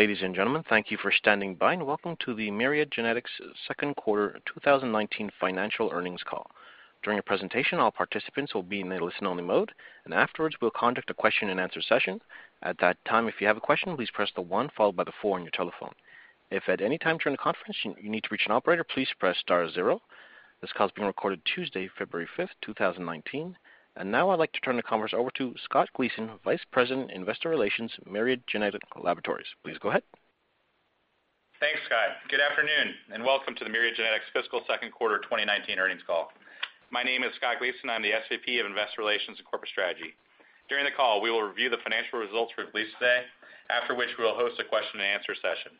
Ladies and gentlemen, thank you for standing by, and welcome to the Myriad Genetics' second quarter 2019 financial earnings call. During the presentation, all participants will be in a listen-only mode, and afterwards we'll conduct a question-and-answer session. At that time, if you have a question, please press the one followed by the four on your telephone. If at any time during the conference, you need to reach an operator, please press star zero. This call is being recorded Tuesday, February 5th, 2019. Now I'd like to turn the conference over to Scott Gleason, Vice President Investor Relations, Myriad Genetics Laboratories. Please go ahead. Thanks, Scott. Good afternoon, and welcome to the Myriad Genetics fiscal second quarter 2019 earnings call. My name is Scott Gleason. I'm the SVP of Investor Relations and Corporate Strategy. During the call, we will review the financial results for at least today, after which we will host a question-and-answer session.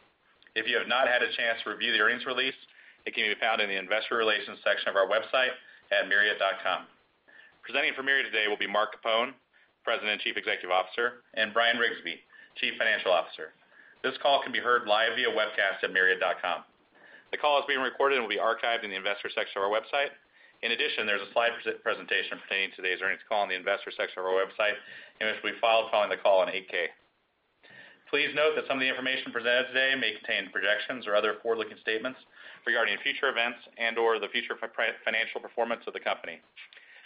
If you have not had a chance to review the earnings release, it can be found in the investor relations section of our website at myriad.com. Presenting for Myriad today will be Mark Capone, President Chief Executive Officer, and Bryan Riggsbee, Chief Financial Officer. This call can be heard live via webcast at myriad.com. The call is being recorded and will be archived in the investor section of our website. In addition, there's a slide presentation pertaining today's earnings call in the investor section of our website, which will be filed following the call on 8-K. Please note that some of the information presented today may contain projections or other forward-looking statements regarding future events and/or the future financial performance of the company.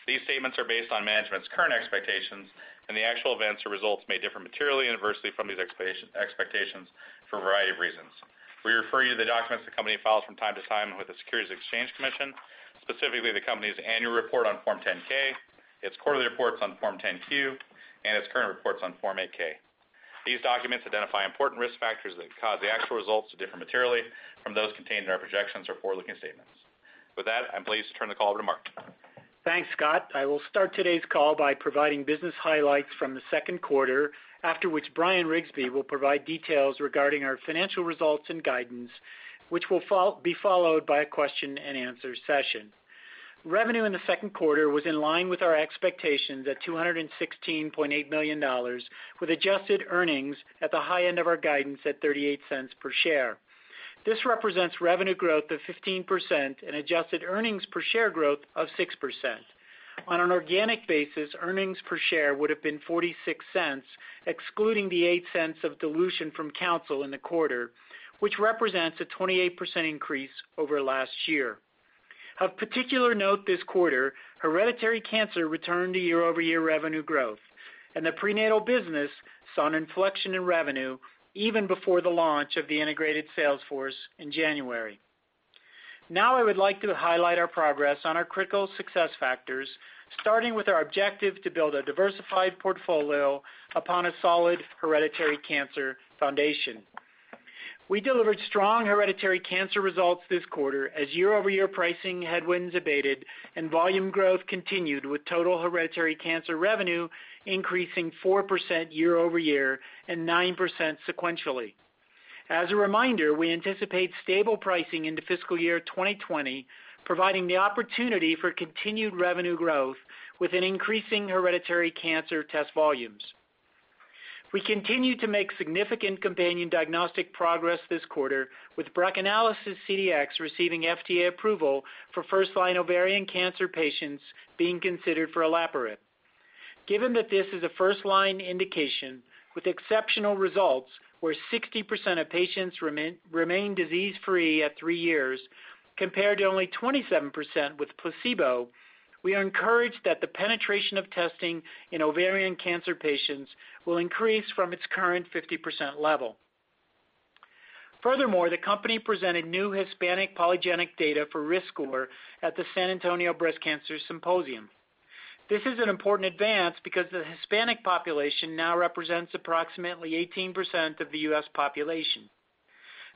These statements are based on management's current expectations, and the actual events or results may differ materially adversely from these expectations for a variety of reasons. We refer you to the documents the company files from time to time with the Securities and Exchange Commission, specifically the company's annual report on Form 10-K, its quarterly reports on Form 10-Q, and its current reports on Form 8-K. These documents identify important risk factors that cause the actual results to differ materially from those contained in our projections or forward-looking statements. With that, I'm pleased to turn the call over to Mark. Thanks, Scott. I will start today's call by providing business highlights from the second quarter, after which Bryan Riggsbee will provide details regarding our financial results and guidance, which will be followed by a question-and-answer session. Revenue in the second quarter was in line with our expectations at $216.8 million, with adjusted earnings at the high end of our guidance at $0.38 per share. This represents revenue growth of 15% and adjusted earnings per share growth of 6%. On an organic basis, earnings per share would've been $0.46, excluding the $0.08 of dilution from Counsyl in the quarter, which represents a 28% increase over last year. Of particular note this quarter, hereditary cancer returned to year-over-year revenue growth and the prenatal business saw an inflection in revenue even before the launch of the integrated sales force in January. I would like to highlight our progress on our critical success factors, starting with our objective to build a diversified portfolio upon a solid hereditary cancer foundation. We delivered strong hereditary cancer results this quarter as year-over-year pricing headwinds abated and volume growth continued with total hereditary cancer revenue increasing 4% year-over-year and 9% sequentially. As a reminder, we anticipate stable pricing into fiscal year 2020, providing the opportunity for continued revenue growth with increasing hereditary cancer test volumes. We continue to make significant companion diagnostic progress this quarter with BRACAnalysis CDx receiving FDA approval for first-line ovarian cancer patients being considered for olaparib. Given that this is a first-line indication with exceptional results, where 60% of patients remain disease-free at three years compared to only 27% with placebo, we are encouraged that the penetration of testing in ovarian cancer patients will increase from its current 50% level. The company presented new Hispanic polygenic data for RiskScore at the San Antonio Breast Cancer Symposium. This is an important advance because the Hispanic population now represents approximately 18% of the U.S. population.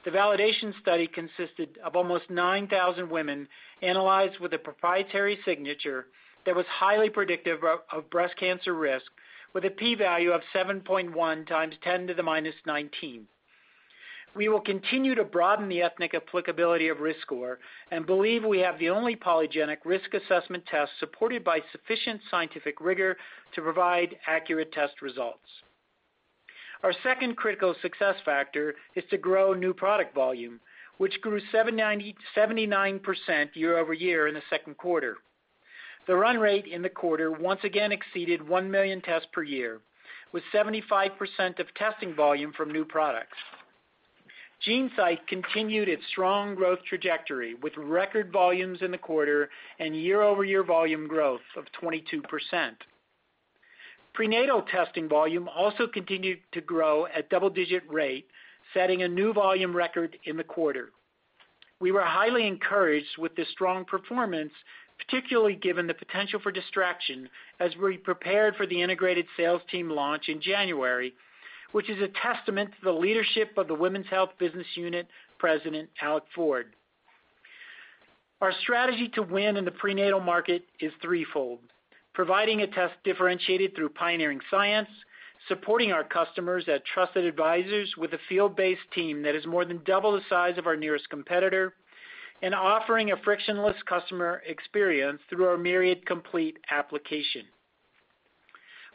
The validation study consisted of almost 9,000 women analyzed with a proprietary signature that was highly predictive of breast cancer risk with a P value of 7.1 times 10 to the -19. We will continue to broaden the ethnic applicability of RiskScore and believe we have the only polygenic risk assessment test supported by sufficient scientific rigor to provide accurate test results. Our second critical success factor is to grow new product volume, which grew 79% year-over-year in the second quarter. The run rate in the quarter once again exceeded 1 million tests per year with 75% of testing volume from new products. GeneSight continued its strong growth trajectory with record volumes in the quarter and year-over-year volume growth of 22%. Prenatal testing volume also continued to grow at double-digit rate, setting a new volume record in the quarter. We were highly encouraged with the strong performance, particularly given the potential for distraction as we prepared for the integrated sales team launch in January, which is a testament to the leadership of the Women's Health Business Unit President, Alec Ford. Our strategy to win in the prenatal market is threefold. Providing a test differentiated through pioneering science, supporting our customers as trusted advisors with a field-based team that is more than double the size of our nearest competitor, and offering a frictionless customer experience through our Myriad Complete application.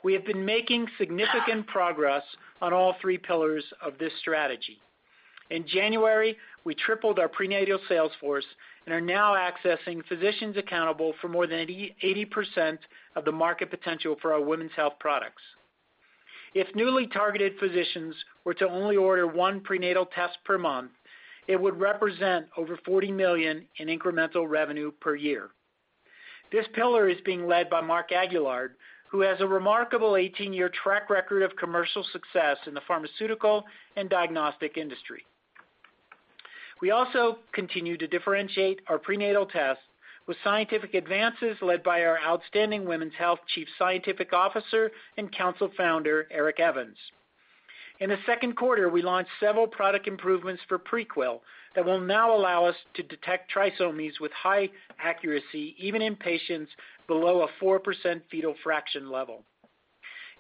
We have been making significant progress on all three pillars of this strategy. In January, we tripled our prenatal sales force and are now accessing physicians accountable for more than 80% of the market potential for our women's health products. If newly targeted physicians were to only order one prenatal test per month, it would represent over $40 million in incremental revenue per year. This pillar is being led by Mark Aguillard, who has a remarkable 18-year track record of commercial success in the pharmaceutical and diagnostic industry. We also continue to differentiate our prenatal tests with scientific advances led by our outstanding women's health Chief Scientific Officer and Counsyl founder, Eric Evans. In the second quarter, we launched several product improvements for Prequel that will now allow us to detect trisomies with high accuracy, even in patients below a 4% fetal fraction level.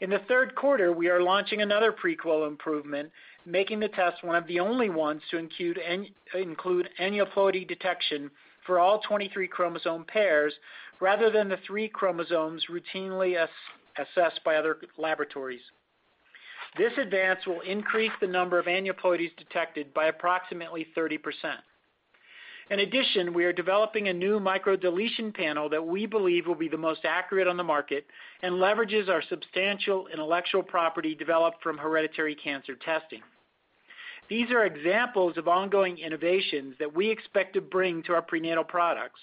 In the third quarter, we are launching another Prequel improvement, making the test one of the only ones to include aneuploidy detection for all 23 chromosome pairs, rather than the three chromosomes routinely assessed by other laboratories. This advance will increase the number of aneuploidies detected by approximately 30%. In addition, we are developing a new micro deletion panel that we believe will be the most accurate on the market and leverages our substantial intellectual property developed from hereditary cancer testing. These are examples of ongoing innovations that we expect to bring to our prenatal products,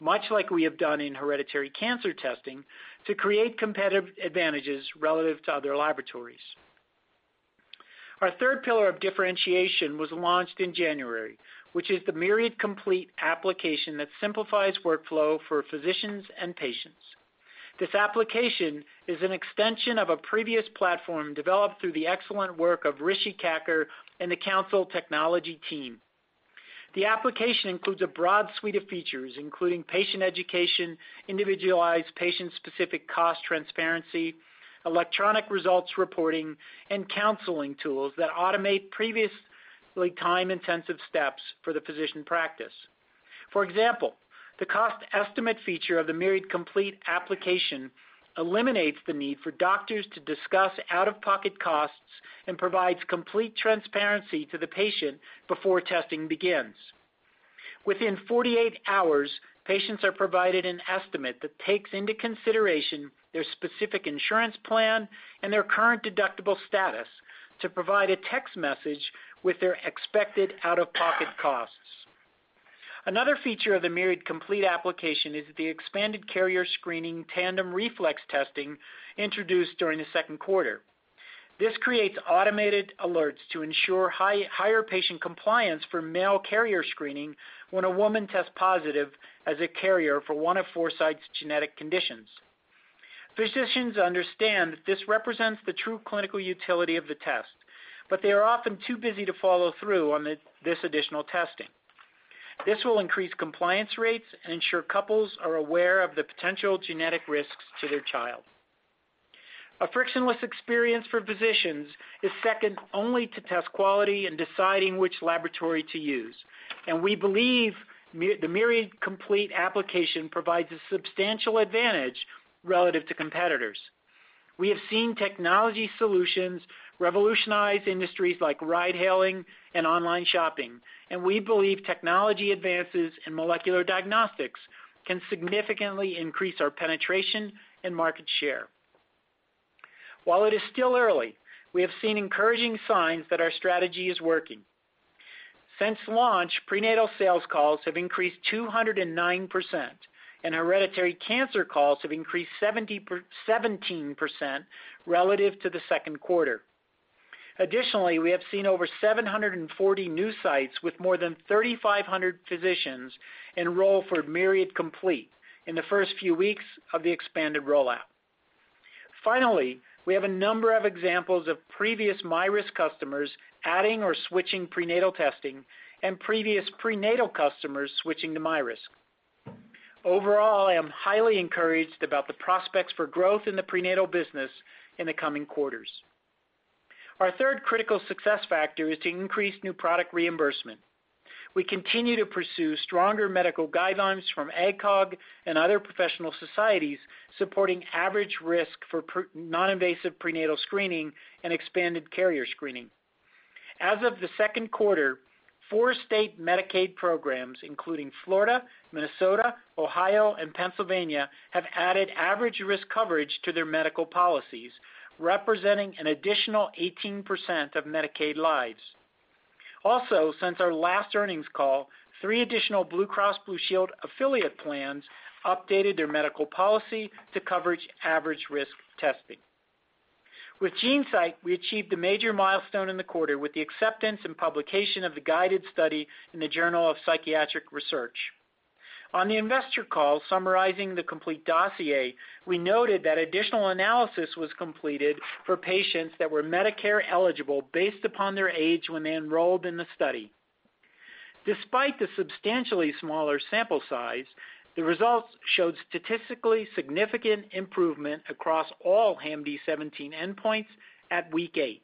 much like we have done in hereditary cancer testing to create competitive advantages relative to other laboratories. Our third pillar of differentiation was launched in January, which is the Myriad Complete application that simplifies workflow for physicians and patients. This application is an extension of a previous platform developed through the excellent work of Rishi Kacker and the Counsyl technology team. The application includes a broad suite of features, including patient education, individualized patient-specific cost transparency, electronic results reporting, and counseling tools that automate previously time-intensive steps for the physician practice. For example, the cost estimate feature of the Myriad Complete application eliminates the need for doctors to discuss out-of-pocket costs and provides complete transparency to the patient before testing begins. Within 48 hours, patients are provided an estimate that takes into consideration their specific insurance plan and their current deductible status to provide a text message with their expected out-of-pocket costs. Another feature of the Myriad Complete application is the expanded carrier screening tandem reflex testing introduced during the second quarter. This creates automated alerts to ensure higher patient compliance for male carrier screening when a woman tests positive as a carrier for one of four sites' genetic conditions. Physicians understand that this represents the true clinical utility of the test, but they are often too busy to follow through on this additional testing. This will increase compliance rates and ensure couples are aware of the potential genetic risks to their child. A frictionless experience for physicians is second only to test quality in deciding which laboratory to use, and we believe the Myriad Complete application provides a substantial advantage relative to competitors. We have seen technology solutions revolutionize industries like ride-hailing and online shopping. We believe technology advances in molecular diagnostics can significantly increase our penetration and market share. While it is still early, we have seen encouraging signs that our strategy is working. Since launch, prenatal sales calls have increased 209%, and hereditary cancer calls have increased 17% relative to the second quarter. Additionally, we have seen over 740 new sites with more than 3,500 physicians enroll for Myriad Complete in the first few weeks of the expanded rollout. Finally, we have a number of examples of previous myRisk customers adding or switching prenatal testing and previous prenatal customers switching to myRisk. Overall, I am highly encouraged about the prospects for growth in the prenatal business in the coming quarters. Our third critical success factor is to increase new product reimbursement. We continue to pursue stronger medical guidelines from ACOG and other professional societies supporting average risk for non-invasive prenatal screening and expanded carrier screening. As of the second quarter, four state Medicaid programs, including Florida, Minnesota, Ohio, and Pennsylvania, have added average risk coverage to their medical policies, representing an additional 18% of Medicaid lives. Since our last earnings call, three additional Blue Cross Blue Shield affiliate plans updated their medical policy to coverage average risk testing. With GeneSight, we achieved a major milestone in the quarter with the acceptance and publication of the GUIDED study in the Journal of Psychiatric Research. On the investor call summarizing the complete dossier, we noted that additional analysis was completed for patients that were Medicare eligible based upon their age when they enrolled in the study. Despite the substantially smaller sample size, the results showed statistically significant improvement across all HAM-D17 endpoints at week eight.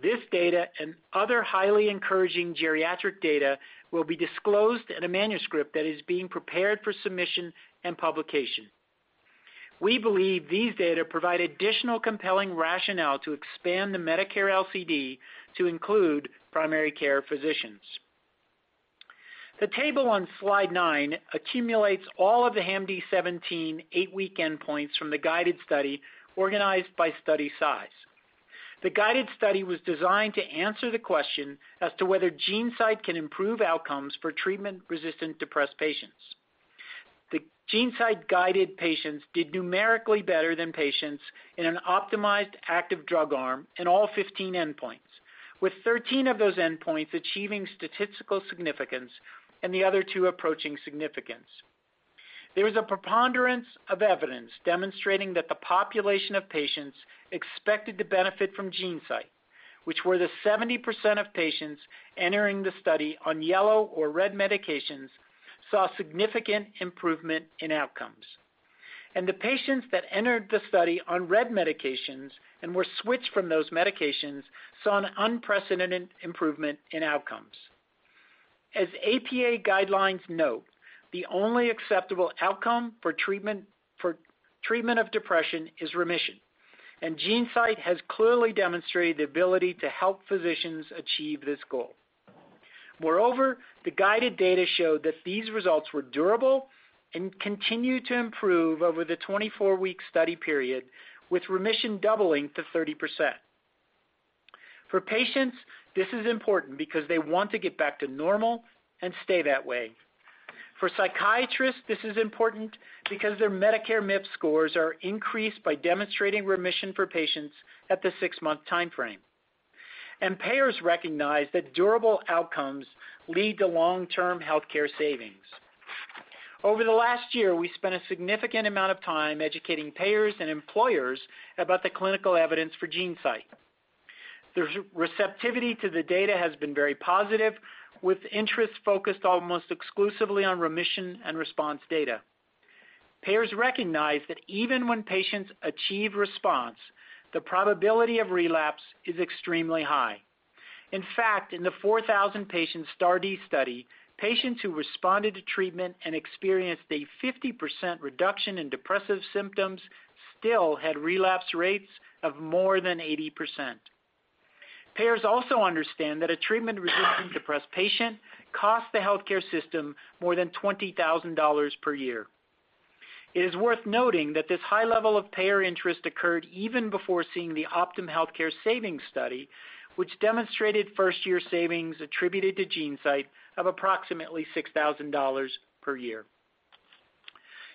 This data and other highly encouraging geriatric data will be disclosed in a manuscript that is being prepared for submission and publication. We believe these data provide additional compelling rationale to expand the Medicare LCD to include primary care physicians. The table on slide nine accumulates all of the HAM-D17 eight-week endpoints from the GUIDED study organized by study size. The GUIDED study was designed to answer the question as to whether GeneSight can improve outcomes for treatment-resistant depressed patients. The GeneSight-GUIDED patients did numerically better than patients in an optimized active drug arm in all 15 endpoints, with 13 of those endpoints achieving statistical significance and the other two approaching significance. There is a preponderance of evidence demonstrating that the population of patients expected to benefit from GeneSight, which were the 70% of patients entering the study on yellow or red medications, saw significant improvement in outcomes. The patients that entered the study on red medications and were switched from those medications saw an unprecedented improvement in outcomes. As APA guidelines note, the only acceptable outcome for treatment of depression is remission, and GeneSight has clearly demonstrated the ability to help physicians achieve this goal. Moreover, the GUIDED data showed that these results were durable and continue to improve over the 24-week study period, with remission doubling to 30%. For patients, this is important because they want to get back to normal and stay that way. For psychiatrists, this is important because their Medicare MIPS scores are increased by demonstrating remission for patients at the six-month timeframe. Payers recognize that durable outcomes lead to long-term healthcare savings. Over the last year, we spent a significant amount of time educating payers and employers about the clinical evidence for GeneSight. The receptivity to the data has been very positive, with interest focused almost exclusively on remission and response data. Payers recognize that even when patients achieve response, the probability of relapse is extremely high. In fact, in the 4,000-patient STAR*D study, patients who responded to treatment and experienced a 50% reduction in depressive symptoms still had relapse rates of more than 80%. Payers also understand that a treatment-resistant depressed patient costs the healthcare system more than $20,000 per year. It is worth noting that this high level of payer interest occurred even before seeing the Optum healthcare savings study, which demonstrated first-year savings attributed to GeneSight of approximately $6,000 per year.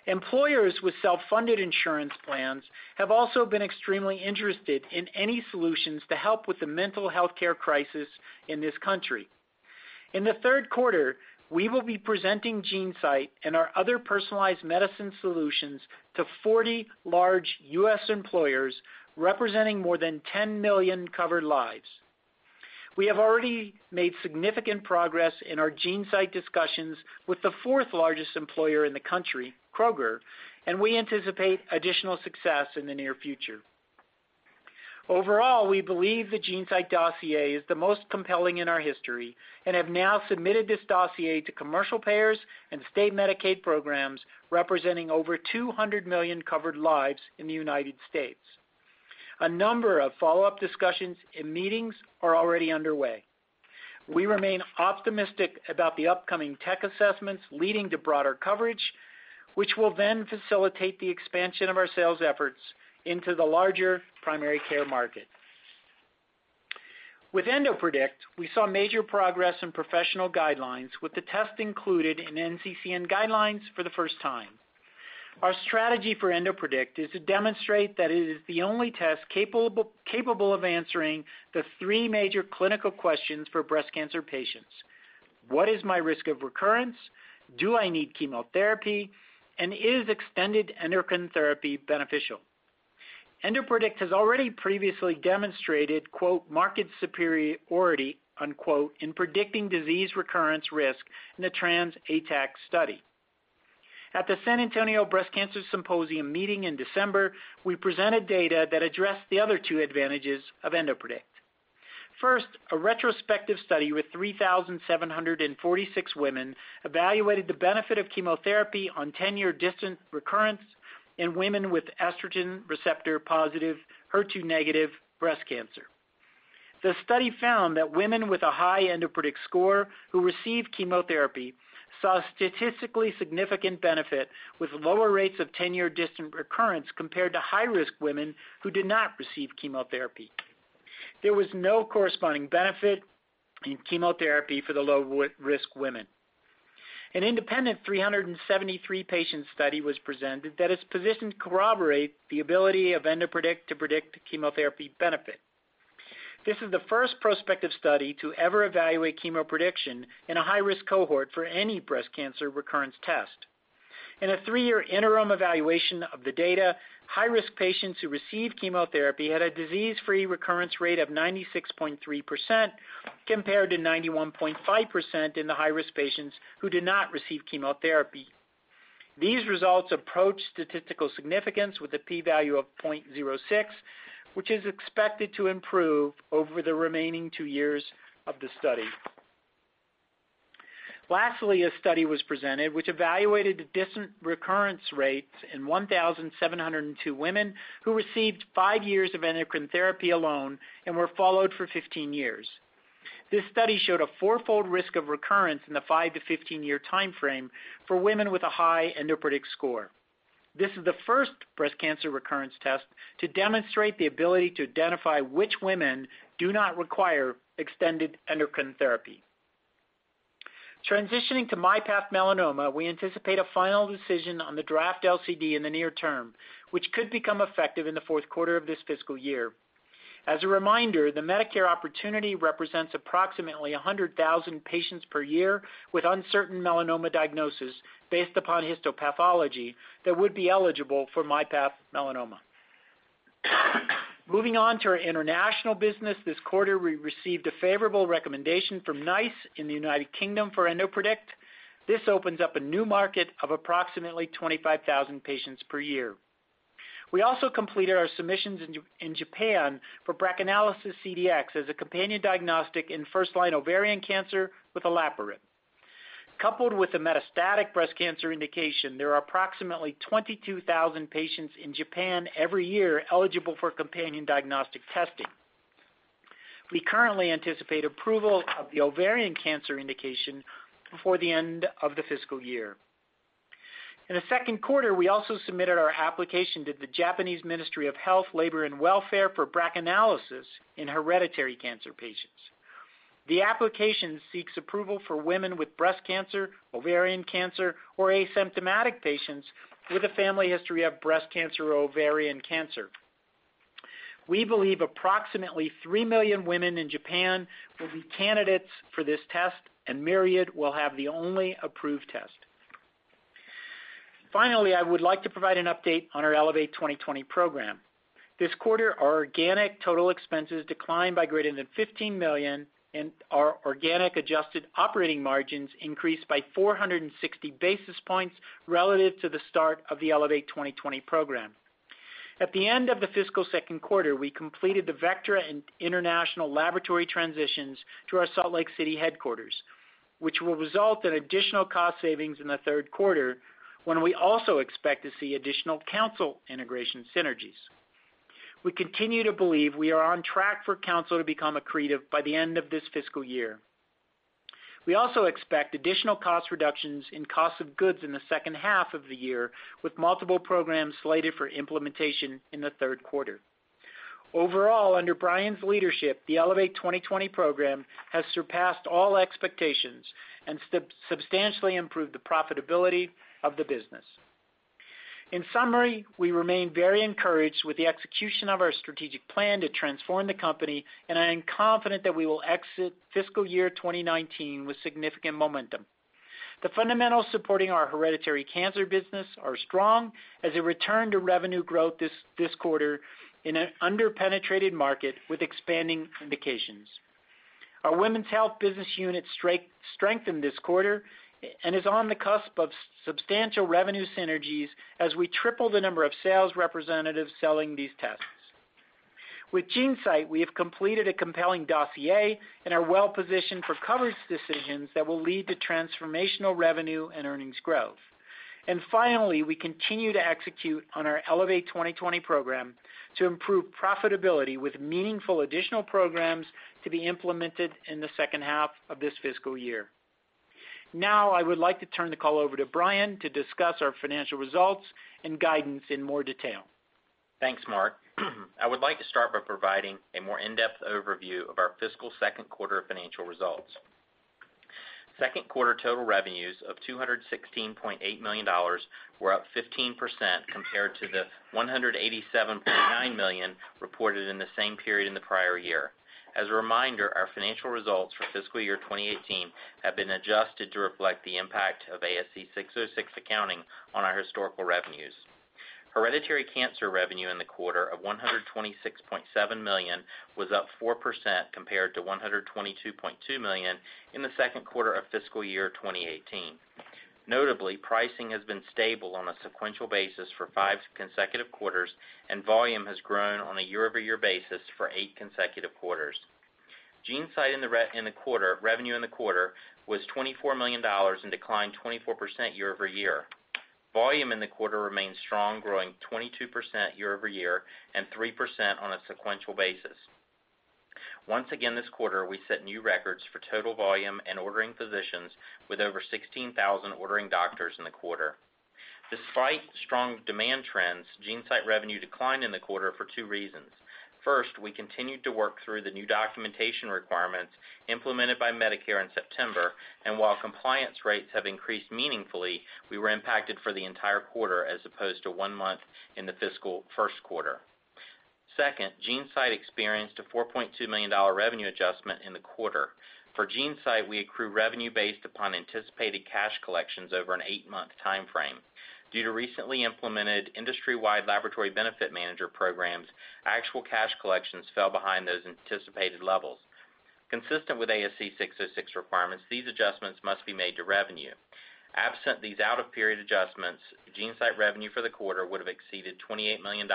Employers with self-funded insurance plans have also been extremely interested in any solutions to help with the mental healthcare crisis in this country. In the third quarter, we will be presenting GeneSight and our other personalized medicine solutions to 40 large U.S. employers representing more than 10 million covered lives. We have already made significant progress in our GeneSight discussions with the fourth-largest employer in the country, Kroger, and we anticipate additional success in the near future. Overall, we believe the GeneSight dossier is the most compelling in our history and have now submitted this dossier to commercial payers and state Medicaid programs representing over 200 million covered lives in the United States. A number of follow-up discussions and meetings are already underway. We remain optimistic about the upcoming tech assessments leading to broader coverage, which will then facilitate the expansion of our sales efforts into the larger primary care market. With EndoPredict, we saw major progress in professional guidelines with the test included in NCCN guidelines for the first time. Our strategy for EndoPredict is to demonstrate that it is the only test capable of answering the three major clinical questions for breast cancer patients: What is my risk of recurrence? Do I need chemotherapy? Is extended endocrine therapy beneficial? EndoPredict has already previously demonstrated "market superiority" in predicting disease recurrence risk in the TransATAC study. At the San Antonio Breast Cancer Symposium meeting in December, we presented data that addressed the other two advantages of EndoPredict. First, a retrospective study with 3,746 women evaluated the benefit of chemotherapy on 10-year distant recurrence in women with estrogen receptor-positive, HER2-negative breast cancer. The study found that women with a high EndoPredict score who received chemotherapy saw a statistically significant benefit with lower rates of 10-year distant recurrence compared to high-risk women who did not receive chemotherapy. There was no corresponding benefit in chemotherapy for the low-risk women. An independent 373-patient study was presented that is positioned to corroborate the ability of EndoPredict to predict chemotherapy benefit. This is the first prospective study to ever evaluate chemoprediction in a high-risk cohort for any breast cancer recurrence test. In a three-year interim evaluation of the data, high-risk patients who received chemotherapy had a disease-free recurrence rate of 96.3% compared to 91.5% in the high-risk patients who did not receive chemotherapy. These results approach statistical significance with a p-value of 0.06, which is expected to improve over the remaining two years of the study. Lastly, a study was presented which evaluated the distant recurrence rates in 1,702 women who received five years of endocrine therapy alone and were followed for 15 years. This study showed a four-fold risk of recurrence in the 5-15-year timeframe for women with a high EndoPredict score. This is the first breast cancer recurrence test to demonstrate the ability to identify which women do not require extended endocrine therapy. Transitioning to myPath Melanoma, we anticipate a final decision on the draft LCD in the near term, which could become effective in the fourth quarter of this fiscal year. As a reminder, the Medicare opportunity represents approximately 100,000 patients per year with uncertain melanoma diagnosis based upon histopathology that would be eligible for myPath Melanoma. Moving on to our international business. This quarter, we received a favorable recommendation from NICE in the United Kingdom for EndoPredict. This opens up a new market of approximately 25,000 patients per year. We also completed our submissions in Japan for BRACAnalysis CDx as a companion diagnostic in first-line ovarian cancer with olaparib. Coupled with the metastatic breast cancer indication, there are approximately 22,000 patients in Japan every year eligible for companion diagnostic testing. We currently anticipate approval of the ovarian cancer indication before the end of the fiscal year. In the second quarter, we also submitted our application to the Japanese Ministry of Health, Labour and Welfare for BRACAnalysis in hereditary cancer patients. The application seeks approval for women with breast cancer, ovarian cancer or asymptomatic patients with a family history of breast cancer or ovarian cancer. We believe approximately 3 million women in Japan will be candidates for this test, and Myriad will have the only approved test. I would like to provide an update on our Elevate 2020 program. This quarter, our organic total expenses declined by greater than $15 million, and our organic adjusted operating margins increased by 460 basis points relative to the start of the Elevate 2020 program. At the end of the fiscal second quarter, we completed the Vectra and International Laboratory transitions to our Salt Lake City headquarters, which will result in additional cost savings in the third quarter, when we also expect to see additional Counsyl integration synergies. We continue to believe we are on track for Counsyl to become accretive by the end of this fiscal year. We also expect additional cost reductions in cost of goods in the second half of the year, with multiple programs slated for implementation in the third quarter. Under Bryan's leadership, the Elevate 2020 program has surpassed all expectations and substantially improved the profitability of the business. We remain very encouraged with the execution of our strategic plan to transform the company, and I am confident that we will exit fiscal year 2019 with significant momentum. The fundamentals supporting our hereditary cancer business are strong, as a return to revenue growth this quarter in an under-penetrated market with expanding indications. Our Women's Health Business Unit strengthened this quarter and is on the cusp of substantial revenue synergies as we triple the number of sales representatives selling these tests. With GeneSight, we have completed a compelling dossier and are well positioned for coverage decisions that will lead to transformational revenue and earnings growth. We continue to execute on our Elevate 2020 program to improve profitability with meaningful additional programs to be implemented in the second half of this fiscal year. I would like to turn the call over to Bryan to discuss our financial results and guidance in more detail. Thanks, Mark. I would like to start by providing a more in-depth overview of our fiscal second quarter financial results. Second quarter total revenues of $216.8 million were up 15% compared to the $187.9 million reported in the same period in the prior year. As a reminder, our financial results for fiscal year 2018 have been adjusted to reflect the impact of ASC 606 accounting on our historical revenues. Hereditary cancer revenue in the quarter of $126.7 million was up 4% compared to $122.2 million in the second quarter of fiscal year 2018. Notably, pricing has been stable on a sequential basis for five consecutive quarters, and volume has grown on a year-over-year basis for eight consecutive quarters. GeneSight revenue in the quarter was $24 million and declined 24% year-over-year. Volume in the quarter remained strong, growing 22% year-over-year and 3% on a sequential basis. Once again this quarter, we set new records for total volume and ordering physicians with over 16,000 ordering doctors in the quarter. Despite strong demand trends, GeneSight revenue declined in the quarter for two reasons. First, we continued to work through the new documentation requirements implemented by Medicare in September, and while compliance rates have increased meaningfully, we were impacted for the entire quarter as opposed to one month in the fiscal first quarter. Second, GeneSight experienced a $4.2 million revenue adjustment in the quarter. For GeneSight, we accrue revenue based upon anticipated cash collections over an eight-month timeframe. Due to recently implemented industry-wide laboratory benefit manager programs, actual cash collections fell behind those anticipated levels. Consistent with ASC 606 requirements, these adjustments must be made to revenue. Absent these out-of-period adjustments, GeneSight revenue for the quarter would have exceeded $28 million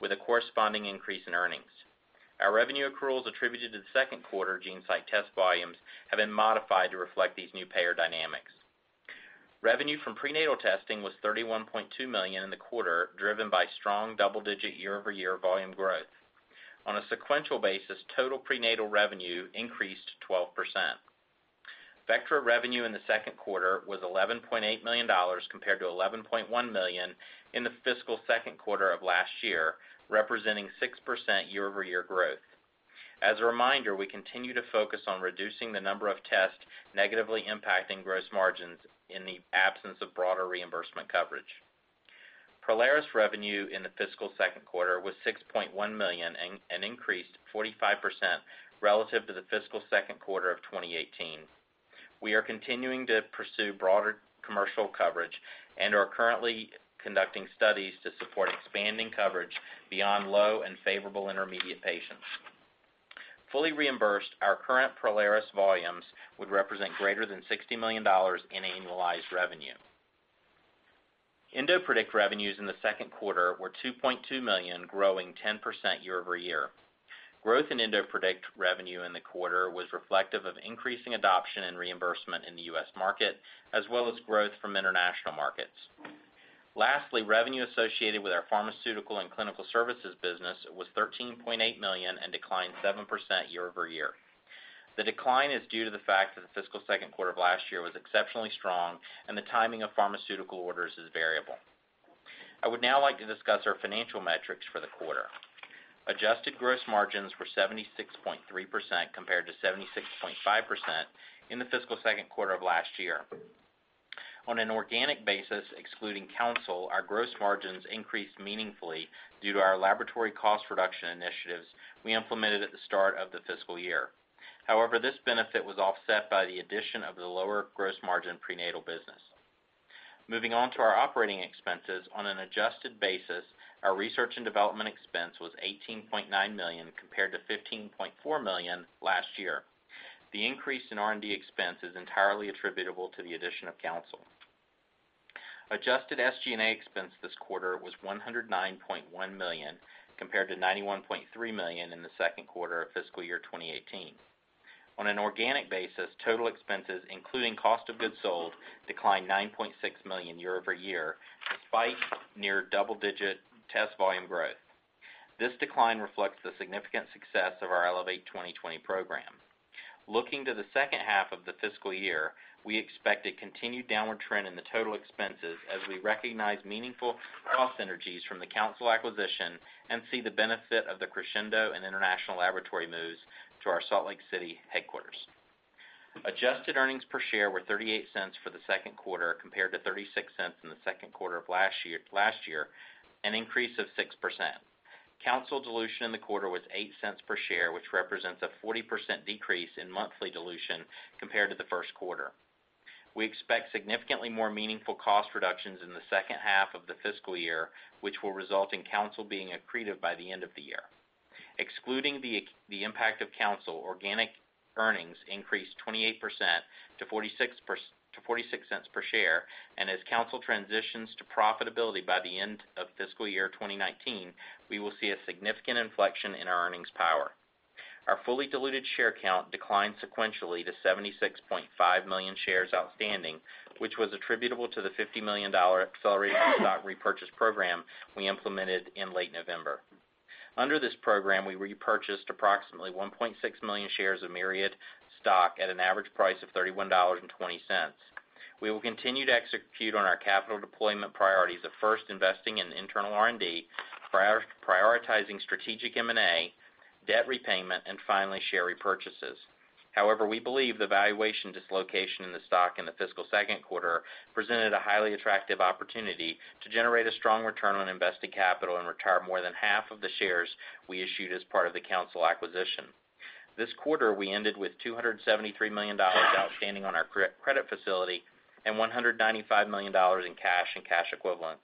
with a corresponding increase in earnings. Our revenue accruals attributed to the second quarter GeneSight test volumes have been modified to reflect these new payer dynamics. Revenue from prenatal testing was $31.2 million in the quarter, driven by strong double-digit year-over-year volume growth. On a sequential basis, total prenatal revenue increased 12%. Vectra revenue in the second quarter was $11.8 million compared to $11.1 million in the fiscal second quarter of last year, representing 6% year-over-year growth. As a reminder, we continue to focus on reducing the number of tests negatively impacting gross margins in the absence of broader reimbursement coverage. Prolaris revenue in the fiscal second quarter was $6.1 million and increased 45% relative to the fiscal second quarter of 2018. We are continuing to pursue broader commercial coverage and are currently conducting studies to support expanding coverage beyond low and favorable intermediate patients. Fully reimbursed, our current Prolaris volumes would represent greater than $60 million in annualized revenue. EndoPredict revenues in the second quarter were $2.2 million, growing 10% year-over-year. Growth in EndoPredict revenue in the quarter was reflective of increasing adoption and reimbursement in the U.S. market, as well as growth from international markets. Lastly, revenue associated with our pharmaceutical and clinical services business was $13.8 million and declined 7% year-over-year. The decline is due to the fact that the fiscal second quarter of last year was exceptionally strong, and the timing of pharmaceutical orders is variable. I would now like to discuss our financial metrics for the quarter. Adjusted gross margins were 76.3% compared to 76.5% in the fiscal second quarter of last year. On an organic basis, excluding Counsyl, our gross margins increased meaningfully due to our laboratory cost reduction initiatives we implemented at the start of the fiscal year. However, this benefit was offset by the addition of the lower gross margin prenatal business. Moving on to our operating expenses. On an adjusted basis, our research and development expense was $18.9 million compared to $15.4 million last year. The increase in R&D expense is entirely attributable to the addition of Counsyl. Adjusted SG&A expense this quarter was $109.1 million, compared to $91.3 million in the second quarter of fiscal year 2018. On an organic basis, total expenses, including cost of goods sold, declined $9.6 million year-over-year, despite near double-digit test volume growth. This decline reflects the significant success of our Elevate 2020 program. Looking to the second half of the fiscal year, we expect a continued downward trend in the total expenses as we recognize meaningful cost synergies from the Counsyl acquisition and see the benefit of the Crescendo and international laboratory moves to our Salt Lake City headquarters. Adjusted earnings per share were $0.38 for the second quarter, compared to $0.36 in the second quarter of last year, an increase of 6%. Counsyl dilution in the quarter was $0.08 per share, which represents a 40% decrease in monthly dilution compared to the first quarter. We expect significantly more meaningful cost reductions in the second half of the fiscal year, which will result in Counsyl being accretive by the end of the year. Excluding the impact of Counsyl, organic earnings increased 28% to $0.46 per share. As Counsyl transitions to profitability by the end of fiscal year 2019, we will see a significant inflection in our earnings power. Our fully diluted share count declined sequentially to 76.5 million shares outstanding, which was attributable to the $50 million accelerated stock repurchase program we implemented in late November. Under this program, we repurchased approximately 1.6 million shares of Myriad stock at an average price of $31.20. We will continue to execute on our capital deployment priorities of first investing in internal R&D, prioritizing strategic M&A, debt repayment, and finally, share repurchases. However, we believe the valuation dislocation in the stock in the fiscal second quarter presented a highly attractive opportunity to generate a strong return on invested capital and retire more than half of the shares we issued as part of the Counsyl acquisition. This quarter, we ended with $273 million outstanding on our credit facility and $195 million in cash and cash equivalents.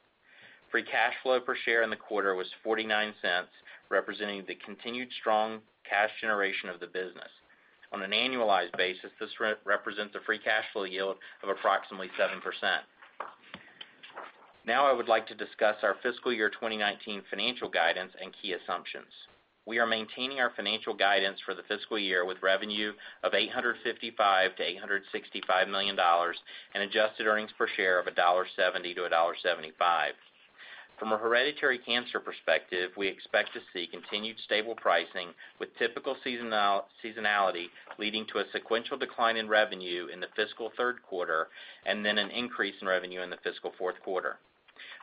Free cash flow per share in the quarter was $0.49, representing the continued strong cash generation of the business. On an annualized basis, this represents a free cash flow yield of approximately 7%. I would like to discuss our fiscal year 2019 financial guidance and key assumptions. We are maintaining our financial guidance for the fiscal year, with revenue of $855 million-$865 million and adjusted earnings per share of $1.70-$1.75. From a hereditary cancer perspective, we expect to see continued stable pricing with typical seasonality, leading to a sequential decline in revenue in the fiscal third quarter, and then an increase in revenue in the fiscal fourth quarter.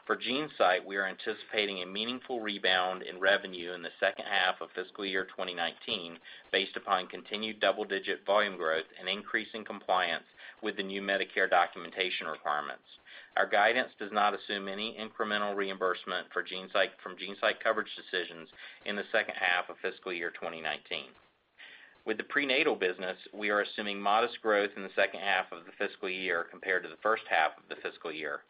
For GeneSight, we are anticipating a meaningful rebound in revenue in the second half of fiscal year 2019 based upon continued double-digit volume growth and increasing compliance with the new Medicare documentation requirements. Our guidance does not assume any incremental reimbursement from GeneSight coverage decisions in the second half of fiscal year 2019. With the prenatal business, we are assuming modest growth in the second half of the fiscal year compared to the first halffiscal year.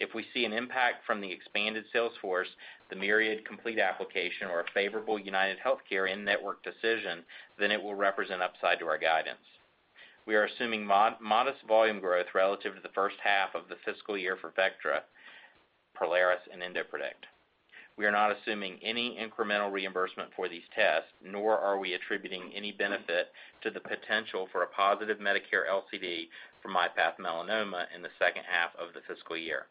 If we see an impact from the expanded sales force, the Myriad Complete application or a favorable UnitedHealthcare in-network decision, then it will represent upside to our guidance. We are assuming modest volume growth relative to the first half of the fiscal year for Vectra, Prolaris and EndoPredict. We are not assuming any incremental reimbursement for these tests, nor are we attributing any benefit to the potential for a positive Medicare LCD for myPath Melanoma in the second half of the fiscal year.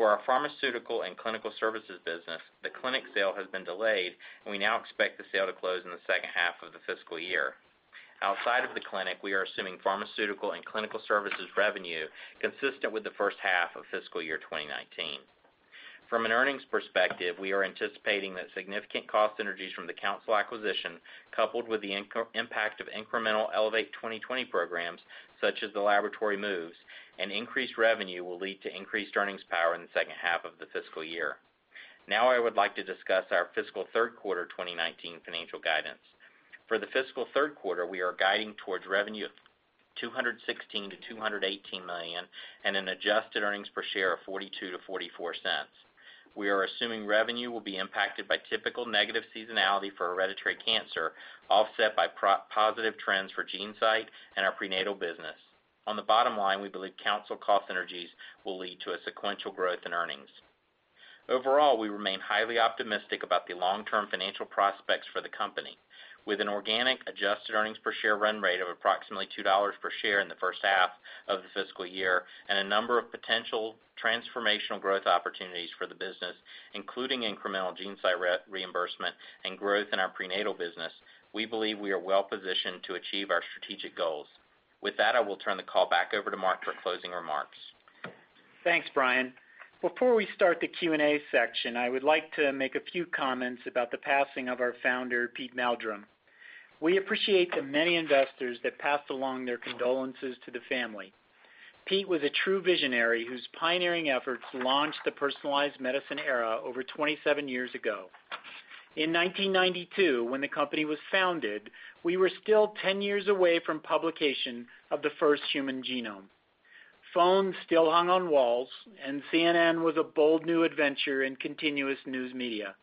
For our pharmaceutical and clinical services business, the clinic sale has been delayed, and we now expect the sale to close in the second half of the fiscal year. Outside of the clinic, we are assuming pharmaceutical and clinical services revenue consistent with the first half of fiscal year 2019. From an earnings perspective, we are anticipating that significant cost synergies from the Counsyl acquisition, coupled with the impact of incremental Elevate 2020 programs such as the laboratory moves and increased revenue, will lead to increased earnings power in the second half of the fiscal year. I would like to discuss our fiscal third quarter 2019 financial guidance. For the fiscal third quarter, we are guiding towards revenue of $216 million-$218 million and an adjusted earnings per share of $0.42-$0.44. We are assuming revenue will be impacted by typical negative seasonality for hereditary cancer, offset by positive trends for GeneSight and our prenatal business. On the bottom line, we believe Counsyl cost synergies will lead to a sequential growth in earnings. Overall, we remain highly optimistic about the long-term financial prospects for the company. With an organic adjusted earnings per share run rate of approximately $2 per share in the first half of the fiscal year and a number of potential transformational growth opportunities for the business, including incremental GeneSight reimbursement and growth in our prenatal business, we believe we are well-positioned to achieve our strategic goals. With that, I will turn the call back over to Mark for closing remarks. Thanks, Bryan. Before we start the Q&A section, I would like to make a few comments about the passing of our founder, Pete Meldrum. We appreciate the many investors that passed along their condolences to the family. Pete was a true visionary whose pioneering efforts launched the personalized medicine era over 27 years ago. In 1992, when the company was founded, we were still 10 years away from publication of the first human genome. Phones still hung on walls, and CNN was a bold new adventure in continuous news media.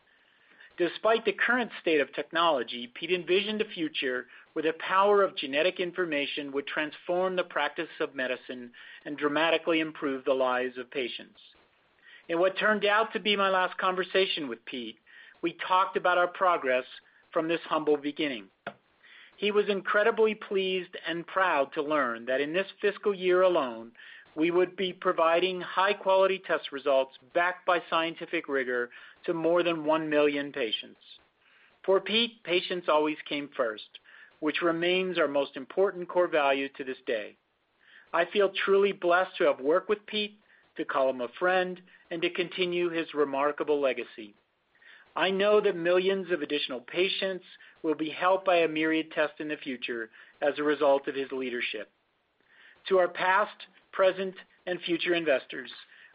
Despite the current state of technology, Pete envisioned a future where the power of genetic information would transform the practice of medicine and dramatically improve the lives of patients. In what turned out to be my last conversation with Pete, we talked about our progress from this humble beginning. He was incredibly pleased and proud to learn that in this fiscal year alone, we would be providing high-quality test results backed by scientific rigor to more than 1 million patients. For Pete, patients always came first, which remains our most important core value to this day. I feel truly blessed to have worked with Pete, to call him a friend, and to continue his remarkable legacy. I know that millions of additional patients will be helped by a Myriad test in the future as a result of his leadership. To our past, present, and future investors,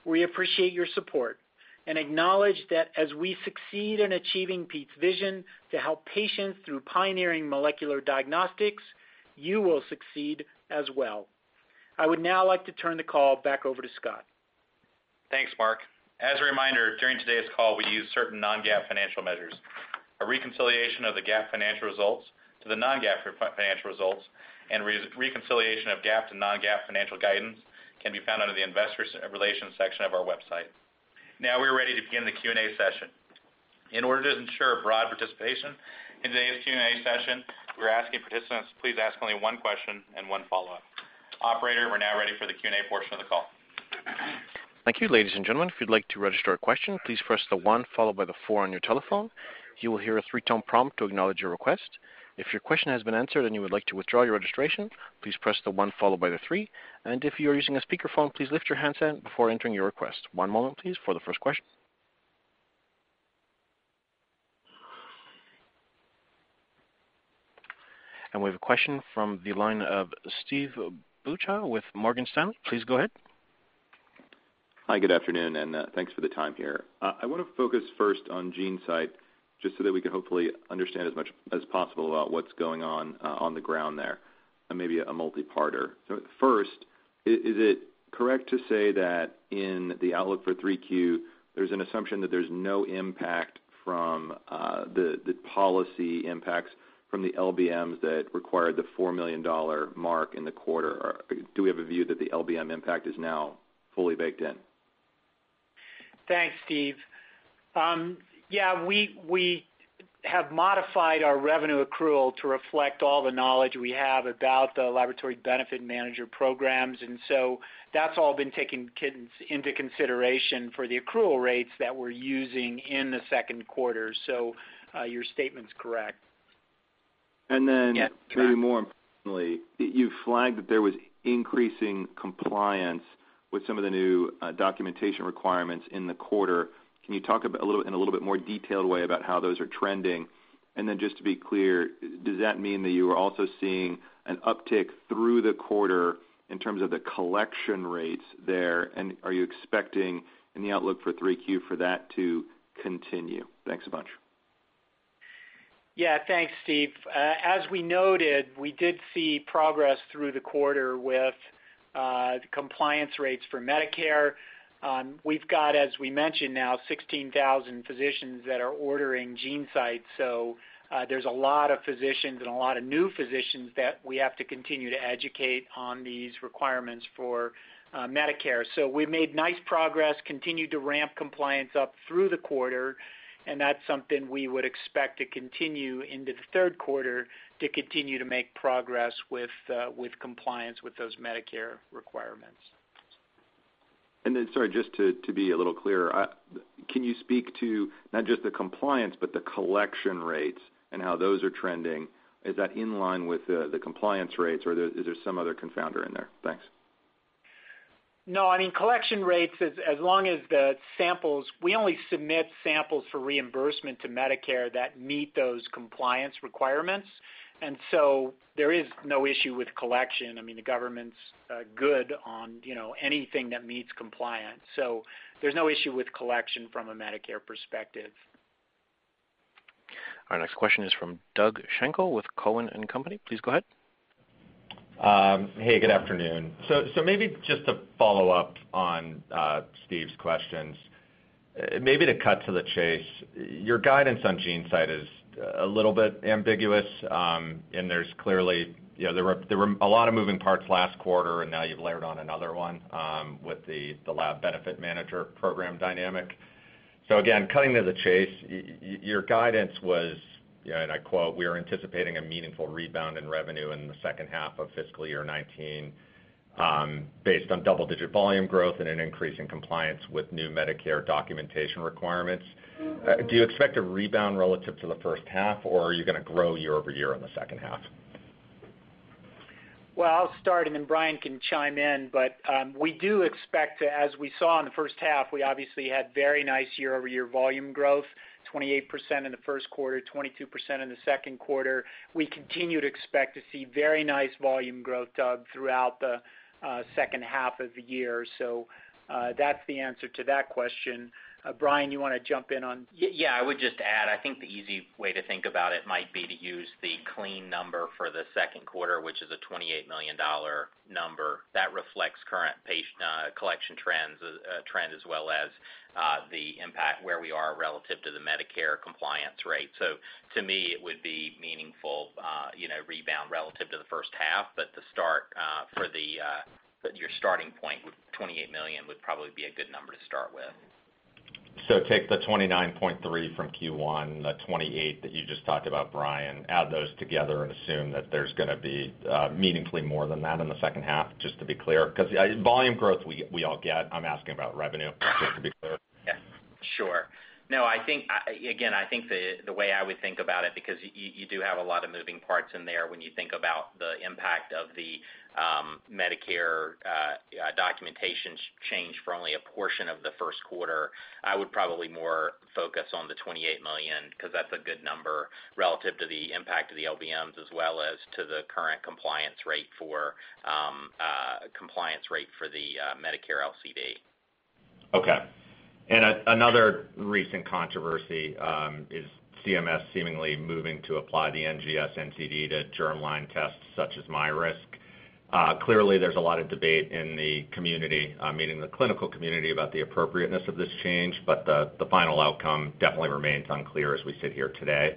we appreciate your support and acknowledge that as we succeed in achieving Pete's vision to help patients through pioneering molecular diagnostics, you will succeed as well. I would now like to turn the call back over to Scott. Thanks, Mark. As a reminder, during today's call, we use certain non-GAAP financial measures. A reconciliation of the GAAP financial results to the non-GAAP financial results and reconciliation of GAAP to non-GAAP financial guidance can be found under the Investor Relations section of our website. Now we are ready to begin the Q&A session. In order to ensure broad participation in today's Q&A session, we are asking participants to please ask only one question and one follow-up. Operator, we are now ready for the Q&A portion of the call. Thank you, ladies and gentlemen. If you would like to register a question, please press the one followed by the four on your telephone. You will hear a three-tone prompt to acknowledge your request. If your question has been answered and you would like to withdraw your registration, please press the one followed by the three, and if you are using a speakerphone, please lift your handset before entering your request. One moment, please, for the first question. We have a question from the line of Steve Beuchaw with Morgan Stanley. Please go ahead. Hi, good afternoon, thanks for the time here. I want to focus first on GeneSight, just so that we can hopefully understand as much as possible about what is going on the ground there. Maybe a multi-parter. First, is it correct to say that in the outlook for 3Q, there is an assumption that there is no impact from the policy impacts from the LBMs that required the $4 million mark in the quarter? Or do we have a view that the LBM impact is now fully baked in? Thanks, Steve. We have modified our revenue accrual to reflect all the knowledge we have about the laboratory benefit manager programs, that's all been taken into consideration for the accrual rates that we're using in the second quarter. Your statement's correct. Maybe more importantly, you flagged that there was increasing compliance with some of the new documentation requirements in the quarter. Can you talk in a little bit more detailed way about how those are trending? Just to be clear, does that mean that you are also seeing an uptick through the quarter in terms of the collection rates there? Are you expecting in the outlook for three Q for that to continue? Thanks a bunch. Thanks, Steve. As we noted, we did see progress through the quarter with compliance rates for Medicare. We've got, as we mentioned now, 16,000 physicians that are ordering GeneSight, there's a lot of physicians and a lot of new physicians that we have to continue to educate on these requirements for Medicare. We made nice progress, continued to ramp compliance up through the quarter, that's something we would expect to continue into the third quarter to continue to make progress with compliance with those Medicare requirements. Sorry, just to be a little clearer, can you speak to not just the compliance, but the collection rates and how those are trending? Is that in line with the compliance rates, or is there some other confounder in there? Thanks. I mean, collection rates, as long as we only submit samples for reimbursement to Medicare that meet those compliance requirements. There is no issue with collection. I mean, the government's good on anything that meets compliance. There's no issue with collection from a Medicare perspective. Our next question is from Doug Schenkel with Cowen and Company. Please go ahead. Hey, good afternoon. Maybe just to follow up on Steve's questions, maybe to cut to the chase, your guidance on GeneSight is a little bit ambiguous. There were a lot of moving parts last quarter, and now you've layered on another one with the lab benefit manager program dynamic. Again, cutting to the chase, your guidance was, and I quote, "We are anticipating a meaningful rebound in revenue in the second half of fiscal year 2019 based on double-digit volume growth and an increase in compliance with new Medicare documentation requirements." Do you expect a rebound relative to the first half, or are you going to grow year-over-year in the second half? Well, I'll start, Bryan can chime in. We do expect to, as we saw in the first half, we obviously had very nice year-over-year volume growth, 28% in the first quarter, 22% in the second quarter. We continue to expect to see very nice volume growth, Doug, throughout the second half of the year. That's the answer to that question. Bryan, you want to jump in on. I would just add, I think the easy way to think about it might be to use the clean number for the second quarter, which is a $28 million number. That reflects current collection trend as well as the impact where we are relative to the Medicare compliance rate. To me, it would be meaningful rebound relative to the first half, but your starting point with $28 million would probably be a good number to start with. Take the $29.3 million from Q1, the $28 million that you just talked about, Bryan, add those together and assume that there's going to be meaningfully more than that in the second half, just to be clear. Volume growth, we all get. I'm asking about revenue, just to be clear. Yes. Sure. No, again, I think the way I would think about it, because you do have a lot of moving parts in there when you think about the impact of the Medicare documentation change for only a portion of the first quarter, I would probably more focus on the $28 million because that's a good number relative to the impact of the LBMs as well as to the current compliance rate for the Medicare LCD. Okay. Another recent controversy is CMS seemingly moving to apply the NGS NCD to germline tests such as myRisk. Clearly, there's a lot of debate in the community, meaning the clinical community, about the appropriateness of this change, the final outcome definitely remains unclear as we sit here today.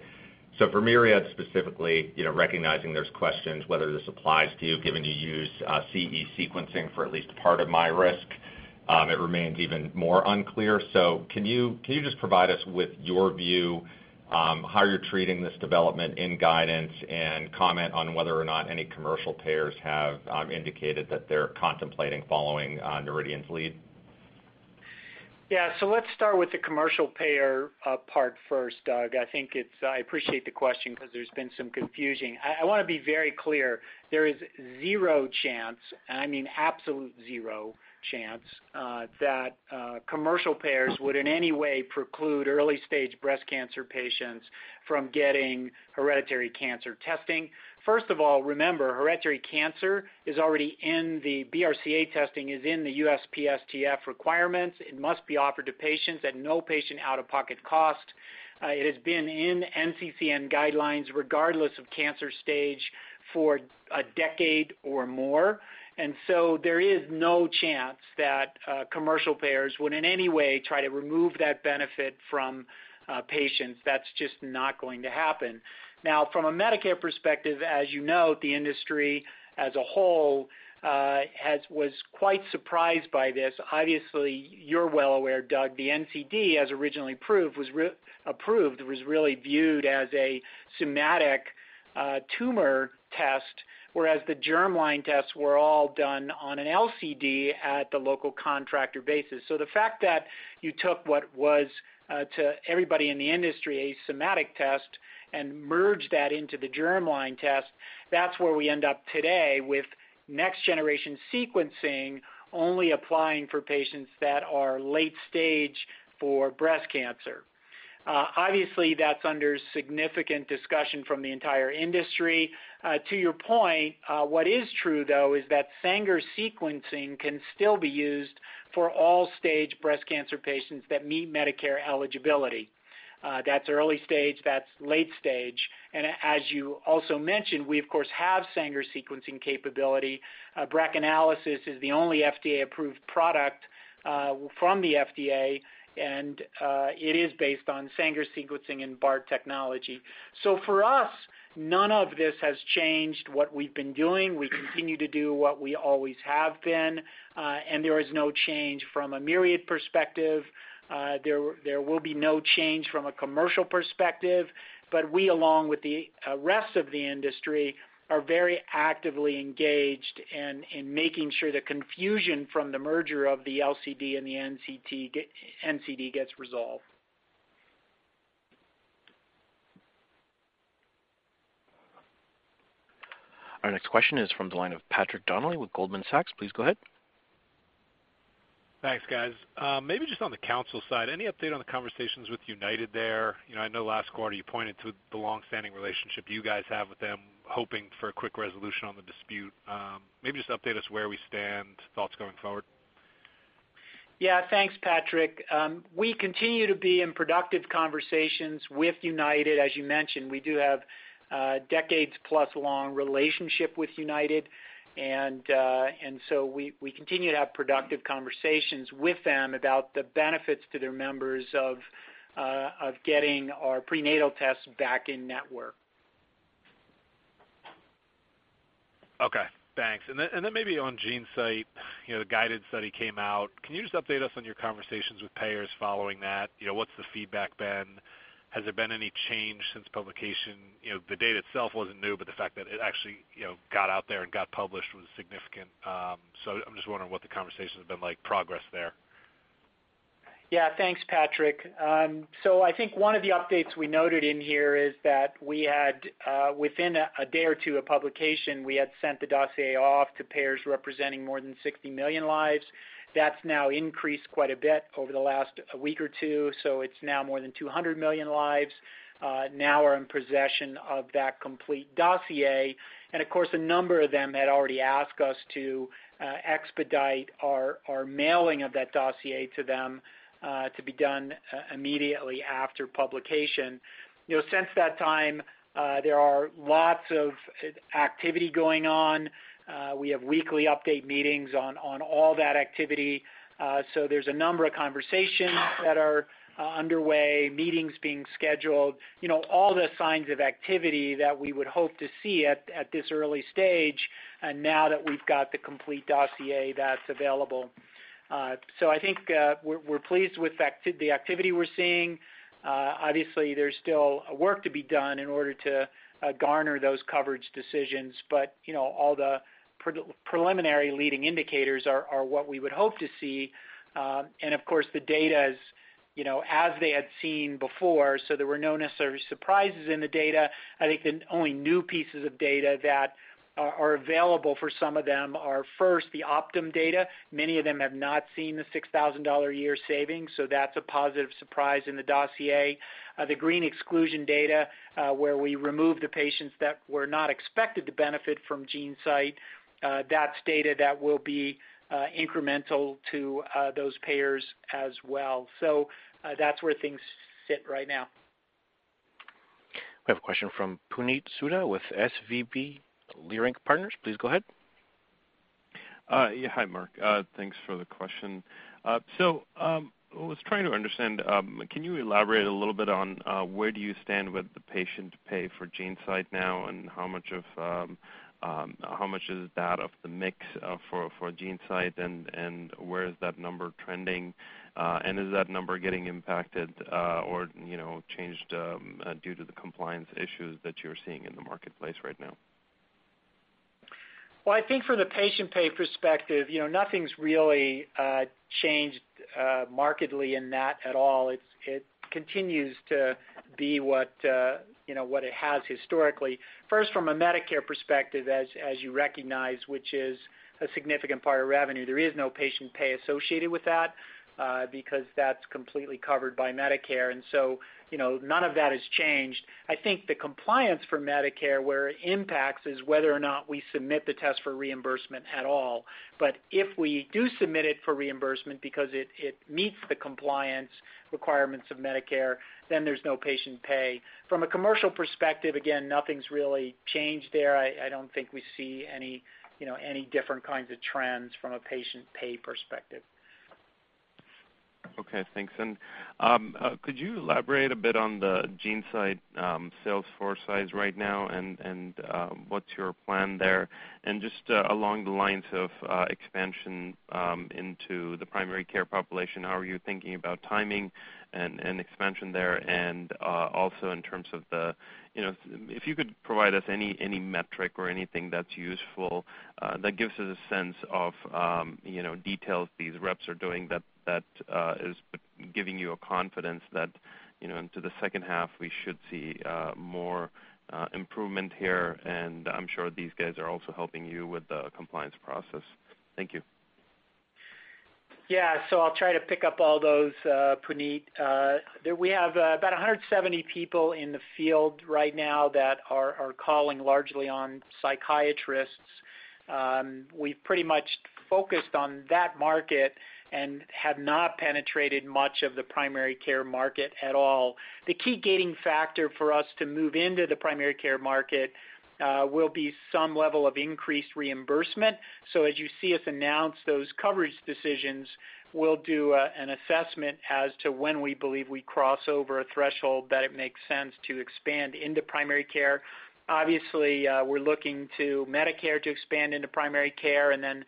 For Myriad, specifically, recognizing there's questions whether this applies to you, given you use CE sequencing for at least part of myRisk, it remains even more unclear. Can you just provide us with your view how you're treating this development in guidance and comment on whether or not any commercial payers have indicated that they're contemplating following Noridian's lead? Let's start with the commercial payer part first, Doug. I appreciate the question because there's been some confusion. I want to be very clear. There is zero chance, and I mean absolute zero chance that commercial payers would in any way preclude early-stage breast cancer patients from getting hereditary cancer testing. First of all, remember, hereditary cancer is already in the BRCA testing is in the USPSTF requirements. It must be offered to patients at no patient out-of-pocket cost. It has been in NCCN guidelines regardless of cancer stage for a decade or more. There is no chance that commercial payers would in any way try to remove that benefit from patients. That's just not going to happen. From a Medicare perspective, as you know, the industry as a whole was quite surprised by this. You're well aware, Doug, the NCD, as originally approved, was really viewed as a somatic tumor test, whereas the germline tests were all done on an LCD at the local contractor basis. The fact that you took what was to everybody in the industry a somatic test and merged that into the germline test, that's where we end up today with next-generation sequencing only applying for patients that are late stage for breast cancer. That's under significant discussion from the entire industry. To your point, what is true, though, is that Sanger sequencing can still be used for all stage breast cancer patients that meet Medicare eligibility. That's early stage, that's late stage. As you also mentioned, we of course, have Sanger sequencing capability. BRACAnalysis is the only FDA-approved product from the FDA, and it is based on Sanger sequencing and BART technology. For us, none of this has changed what we've been doing. We continue to do what we always have been, and there is no change from a Myriad perspective. There will be no change from a commercial perspective, we, along with the rest of the industry, are very actively engaged in making sure the confusion from the merger of the LCD and the NCD gets resolved. Our next question is from the line of Patrick Donnelly with Goldman Sachs. Please go ahead. Thanks, guys. Maybe just on the Counsyl side, any update on the conversations with UnitedHealthcare there? I know last quarter you pointed to the long-standing relationship you guys have with them, hoping for a quick resolution on the dispute. Maybe just update us where we stand, thoughts going forward. Yeah. Thanks, Patrick. We continue to be in productive conversations with UnitedHealthcare. As you mentioned, we do have a decades-plus long relationship with UnitedHealthcare. We continue to have productive conversations with them about the benefits to their members of getting our prenatal tests back in-network. Okay, thanks. Maybe on GeneSight, the GUIDED study came out. Can you just update us on your conversations with payers following that? What's the feedback been? Has there been any change since publication? The data itself wasn't new, but the fact that it actually got out there and got published was significant. I'm just wondering what the conversations have been like, progress there. Yeah. Thanks, Patrick. I think one of the updates we noted in here is that we had, within a day or two of publication, we had sent the dossier off to payers representing more than 60 million lives. That's now increased quite a bit over the last week or two. It's now more than 200 million lives now are in possession of that complete dossier. Of course, a number of them had already asked us to expedite our mailing of that dossier to them, to be done immediately after publication. Since that time, there are lots of activity going on. We have weekly update meetings on all that activity. There's a number of conversations that are underway, meetings being scheduled, all the signs of activity that we would hope to see at this early stage, and now that we've got the complete dossier that's available. I think we're pleased with the activity we're seeing. Obviously, there's still work to be done in order to garner those coverage decisions, all the preliminary leading indicators are what we would hope to see. Of course, the data is as they had seen before, there were no necessarily surprises in the data. I think the only new pieces of data that are available for some of them are, first, the Optum data. Many of them have not seen the $6,000 a year savings, so that's a positive surprise in the dossier. The Green exclusion data, where we removed the patients that were not expected to benefit from GeneSight, that's data that will be incremental to those payers as well. That's where things sit right now. We have a question from Puneet Souda with SVB Leerink Partners. Please go ahead. Hi, Mark. Thanks for the question. I was trying to understand, can you elaborate a little bit on where do you stand with the patient pay for GeneSight now, how much is that of the mix for GeneSight, and where is that number trending? Is that number getting impacted or changed due to the compliance issues that you're seeing in the marketplace right now? I think from the patient pay perspective, nothing's really changed markedly in that at all. It continues to be what it has historically. First, from a Medicare perspective, as you recognize, which is a significant part of revenue, there is no patient pay associated with that, because that's completely covered by Medicare, none of that has changed. The compliance for Medicare, where it impacts, is whether or not we submit the test for reimbursement at all. If we do submit it for reimbursement because it meets the compliance requirements of Medicare, there's no patient pay. From a commercial perspective, again, nothing's really changed there. I don't think we see any different kinds of trends from a patient pay perspective. Okay, thanks. Could you elaborate a bit on the GeneSight sales force size right now, and what's your plan there? Just along the lines of expansion into the primary care population, how are you thinking about timing and expansion there, and also in terms of if you could provide us any metric or anything that's useful that gives us a sense of details these reps are doing that is giving you a confidence that into the second half, we should see more improvement here. I'm sure these guys are also helping you with the compliance process. Thank you. Yeah. I'll try to pick up all those, Puneet. We have about 170 people in the field right now that are calling largely on psychiatrists. We've pretty much focused on that market and have not penetrated much of the primary care market at all. The key gating factor for us to move into the primary care market will be some level of increased reimbursement. As you see us announce those coverage decisions, we'll do an assessment as to when we believe we cross over a threshold that it makes sense to expand into primary care. Obviously, we're looking to Medicare to expand into primary care and then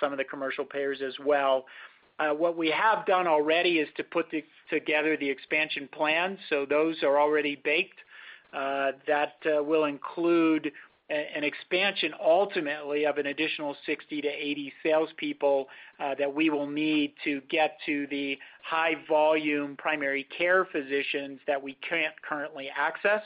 some of the commercial payers as well. What we have done already is to put together the expansion plan, so those are already baked. That will include an expansion ultimately of an additional 60-80 salespeople that we will need to get to the high-volume primary care physicians that we can't currently access.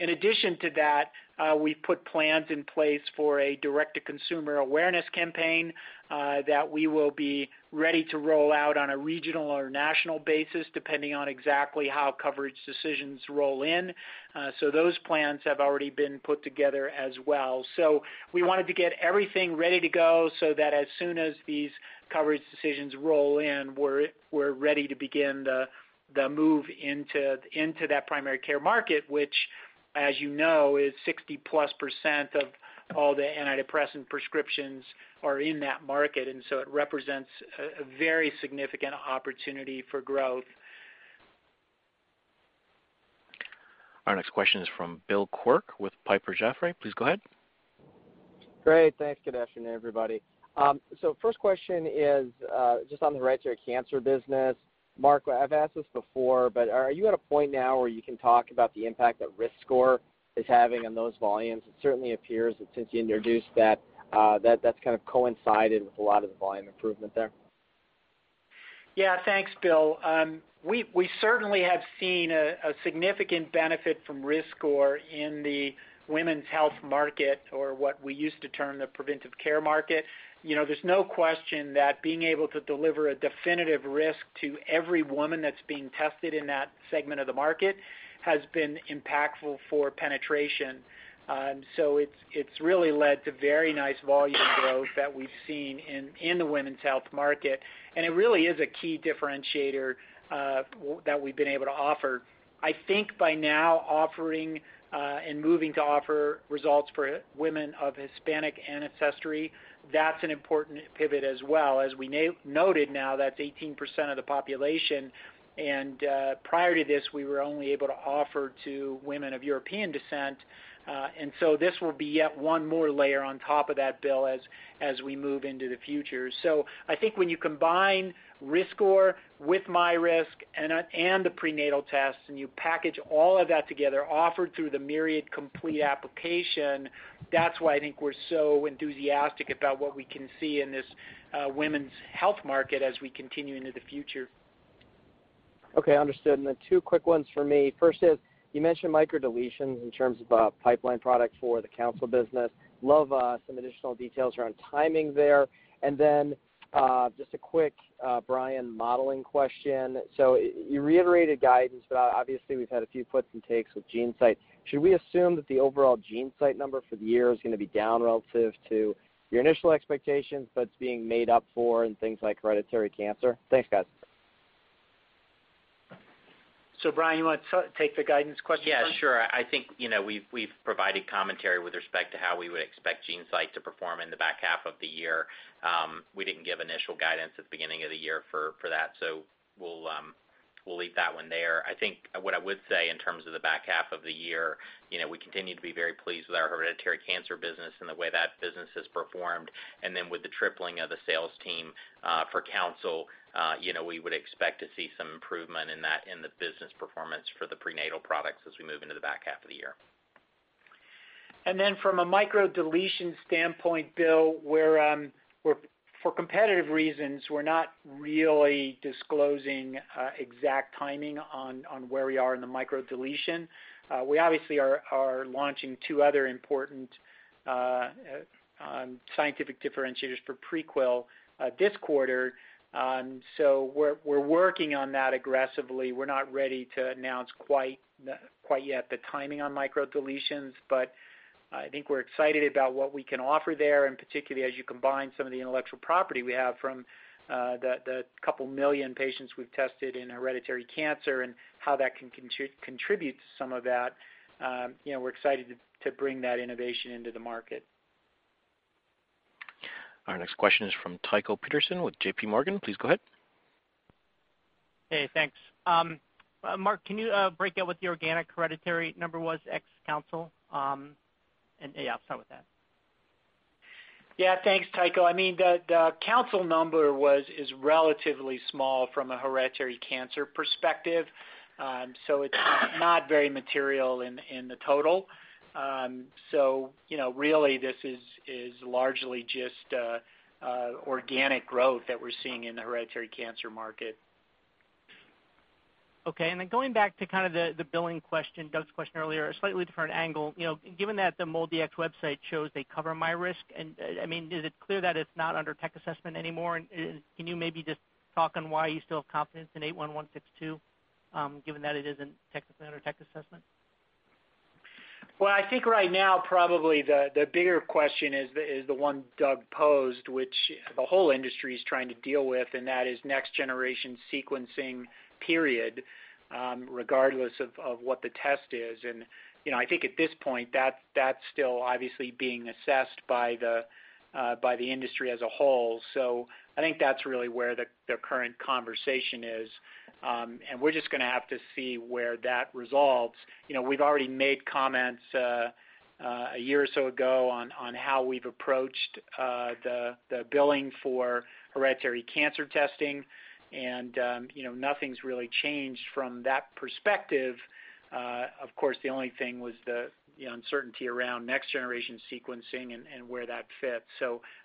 In addition to that, we've put plans in place for a direct-to-consumer awareness campaign that we will be ready to roll out on a regional or national basis, depending on exactly how coverage decisions roll in. Those plans have already been put together as well. We wanted to get everything ready to go so that as soon as these coverage decisions roll in, we're ready to begin the move into that primary care market, which as you know, is 60%+ of all the antidepressant prescriptions are in that market, and so it represents a very significant opportunity for growth. Our next question is from Bill Quirk with Piper Jaffray. Please go ahead. Great. Thanks. Good afternoon, everybody. First question is just on the hereditary cancer business. Mark, I've asked this before, but are you at a point now where you can talk about the impact that RiskScore is having on those volumes? It certainly appears that since you introduced that's kind of coincided with a lot of the volume improvement there. Yeah. Thanks, Bill. We certainly have seen a significant benefit from RiskScore in the women's health market or what we used to term the preventive care market. There's no question that being able to deliver a definitive risk to every woman that's being tested in that segment of the market has been impactful for penetration. It's really led to very nice volume growth that we've seen in the women's health market, and it really is a key differentiator that we've been able to offer. I think by now offering and moving to offer results for women of Hispanic ancestry, that's an important pivot as well. As we noted now, that's 18% of the population, and prior to this, we were only able to offer to women of European descent. This will be yet one more layer on top of that, Bill, as we move into the future. I think when you combine RiskScore with myRisk and the prenatal tests, and you package all of that together offered through the Myriad Complete application, that's why I think we're so enthusiastic about what we can see in this women's health market as we continue into the future. Okay, understood. Two quick ones for me. First is, you mentioned microdeletions in terms of a pipeline product for the Counsyl business. Love some additional details around timing there. Just a quick, Bryan, modeling question. You reiterated guidance, but obviously, we've had a few puts and takes with GeneSight. Should we assume that the overall GeneSight number for the year is going to be down relative to your initial expectations, but it's being made up for in things like hereditary cancer? Thanks, guys. Bryan, you want to take the guidance question first? Yeah, sure. I think we've provided commentary with respect to how we would expect GeneSight to perform in the back half of the year. We didn't give initial guidance at the beginning of the year for that, we'll leave that one there. I think what I would say in terms of the back half of the year, we continue to be very pleased with our hereditary cancer business and the way that business has performed. With the tripling of the sales team for Counsyl, we would expect to see some improvement in the business performance for the prenatal products as we move into the back half of the year. From a microdeletion standpoint, Bill, for competitive reasons, we're not really disclosing exact timing on where we are in the microdeletion. We obviously are launching two other important scientific differentiators for Prequel this quarter. We're working on that aggressively. We're not ready to announce quite yet the timing on microdeletions, but I think we're excited about what we can offer there, and particularly as you combine some of the intellectual property we have from the couple million patients we've tested in hereditary cancer and how that can contribute to some of that. We're excited to bring that innovation into the market. Our next question is from Tycho Peterson with JPMorgan. Please go ahead. Thanks. Mark, can you break out what the organic hereditary number was ex Counsyl? Yeah, I'll start with that. Thanks, Tycho. The Counsyl number is relatively small from a hereditary cancer perspective. It's not very material in the total. Really this is largely just organic growth that we're seeing in the hereditary cancer market. Okay. Going back to the billing question, Doug's question earlier, a slightly different angle. Given that the MolDX website shows they cover myRisk, is it clear that it's not under tech assessment anymore? Can you maybe just talk on why you still have confidence in 81162, given that it isn't under tech assessment? I think right now probably the bigger question is the one Doug posed, which the whole industry is trying to deal with, and that is next generation sequencing, period, regardless of what the test is. I think at this point, that's still obviously being assessed by the industry as a whole. I think that's really where the current conversation is. We're just going to have to see where that resolves. We've already made comments a year or so ago on how we've approached the billing for hereditary cancer testing and nothing's really changed from that perspective. Of course, the only thing was the uncertainty around next generation sequencing and where that fits.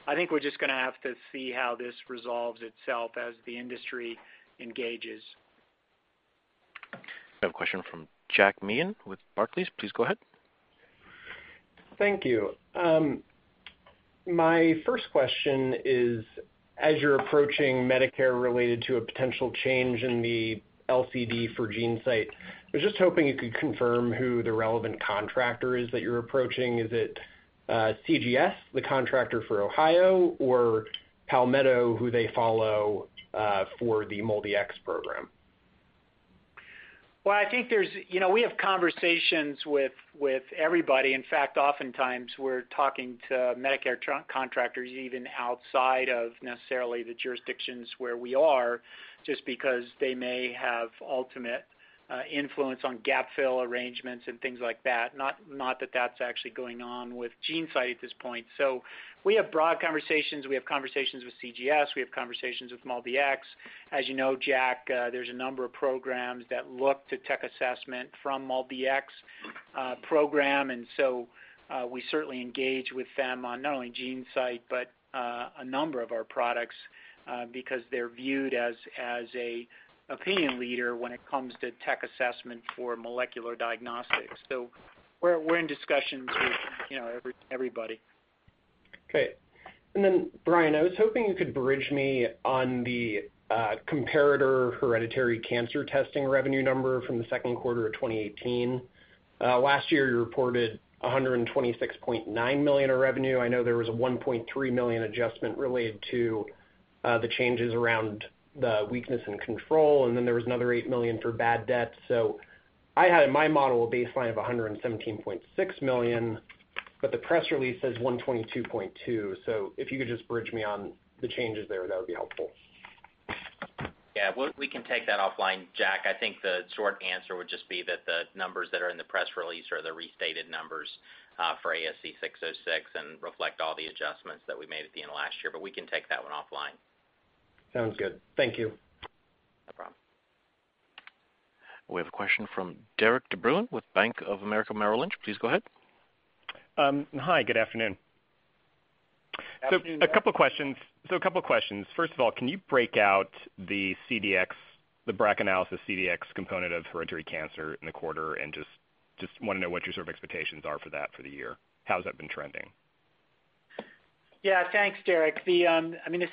I think we're just going to have to see how this resolves itself as the industry engages. We have a question from Jack Meehan with Barclays. Please go ahead. Thank you. My first question is, as you're approaching Medicare related to a potential change in the LCD for GeneSight, I was just hoping you could confirm who the relevant contractor is that you're approaching. Is it CGS, the contractor for Ohio or Palmetto, who they follow for the MolDX program? Well, we have conversations with everybody. In fact, oftentimes we're talking to Medicare contractors even outside of necessarily the jurisdictions where we are just because they may have ultimate influence on gap fill arrangements and things like that. Not that that's actually going on with GeneSight at this point. We have broad conversations. We have conversations with CGS. We have conversations with MolDX. As you know, Jack, there's a number of programs that look to tech assessment from MolDX program. We certainly engage with them on not only GeneSight, but a number of our products, because they're viewed as an opinion leader when it comes to tech assessment for molecular diagnostics. We're in discussions with everybody. Okay. Bryan, I was hoping you could bridge me on the comparator hereditary cancer testing revenue number from the second quarter of 2018. Last year you reported $126.9 million of revenue. I know there was a $1.3 million adjustment related to the changes around the weakness in control, and then there was another $8 million for bad debt. I had in my model a baseline of $117.6 million, but the press release says $122.2 million. If you could just bridge me on the changes there, that would be helpful. Yeah, we can take that offline, Jack. I think the short answer would just be that the numbers that are in the press release are the restated numbers for ASC 606 and reflect all the adjustments that we made at the end of last year. We can take that one offline. Sounds good. Thank you. No problem. We have a question from Derik de Bruin with Bank of America Merrill Lynch. Please go ahead. Hi, good afternoon. Afternoon. A couple of questions. First of all, can you break out the BRACAnalysis CDx component of hereditary cancer in the quarter and just want to know what your sort of expectations are for that for the year. How has that been trending? Yeah, thanks, Derik. The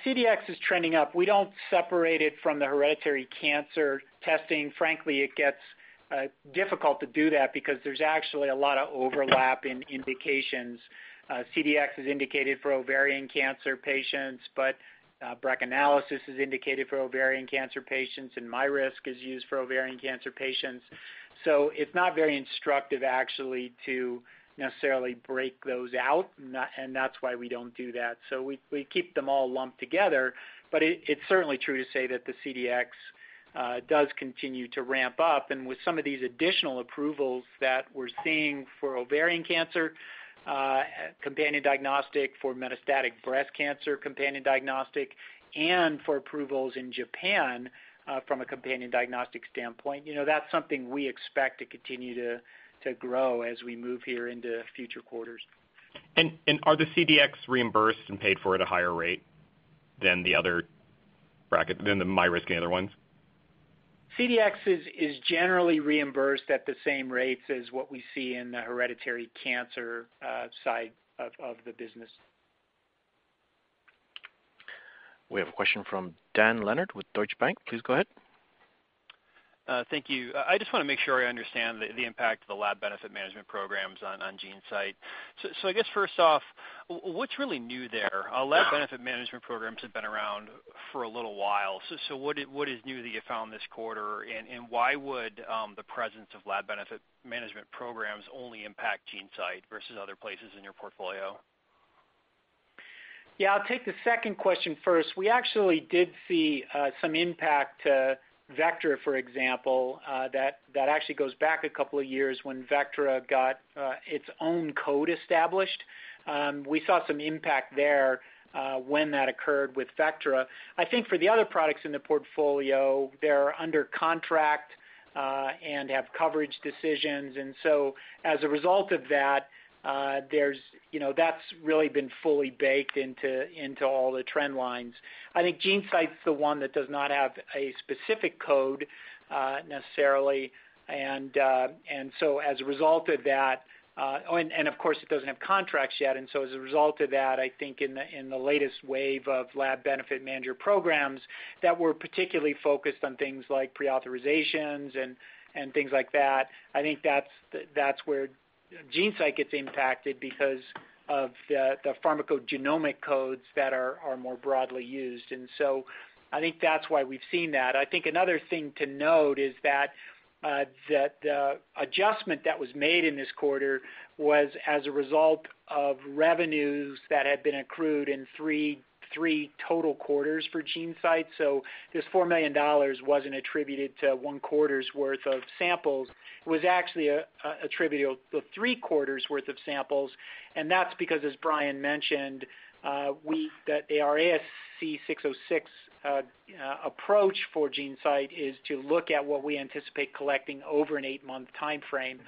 CDx is trending up. We don't separate it from the hereditary cancer testing. Frankly, it gets difficult to do that because there's actually a lot of overlap in indications. CDx is indicated for ovarian cancer patients, but BRACAnalysis is indicated for ovarian cancer patients, and myRisk is used for ovarian cancer patients. It's not very instructive actually to necessarily break those out, and that's why we don't do that. We keep them all lumped together. It's certainly true to say that the CDx does continue to ramp up. With some of these additional approvals that we're seeing for ovarian cancer, companion diagnostic for metastatic breast cancer companion diagnostic, and for approvals in Japan from a companion diagnostic standpoint, that's something we expect to continue to grow as we move here into future quarters. Are the CDx reimbursed and paid for at a higher rate than the myRisk and the other ones? CDx is generally reimbursed at the same rates as what we see in the hereditary cancer side of the business. We have a question from Dan Leonard with Deutsche Bank. Please go ahead. Thank you. I just want to make sure I understand the impact of the lab benefit management programs on GeneSight. I guess first off, what's really new there? Lab benefit management programs have been around for a little while. What is new that you found this quarter, and why would the presence of lab benefit management programs only impact GeneSight versus other places in your portfolio? Yeah, I'll take the second question first. We actually did see some impact to Vectra, for example, that actually goes back a couple of years when Vectra got its own code established. We saw some impact there when that occurred with Vectra. I think for the other products in the portfolio, they're under contract, and have coverage decisions. As a result of that's really been fully baked into all the trend lines. I think GeneSight's the one that does not have a specific code necessarily, and of course, it doesn't have contracts yet. As a result of that, I think in the latest wave of lab benefit manager programs that were particularly focused on things like pre-authorizations and things like that, I think that's where GeneSight gets impacted because of the pharmacogenomic codes that are more broadly used. I think that's why we've seen that. I think another thing to note is that the adjustment that was made in this quarter was as a result of revenues that had been accrued in three total quarters for GeneSight. This $4 million wasn't attributed to one quarter's worth of samples. It was actually attributed to three quarters worth of samples, and that's because, as Bryan mentioned, the ASC 606 approach for GeneSight is to look at what we anticipate collecting over an 8-month timeframe,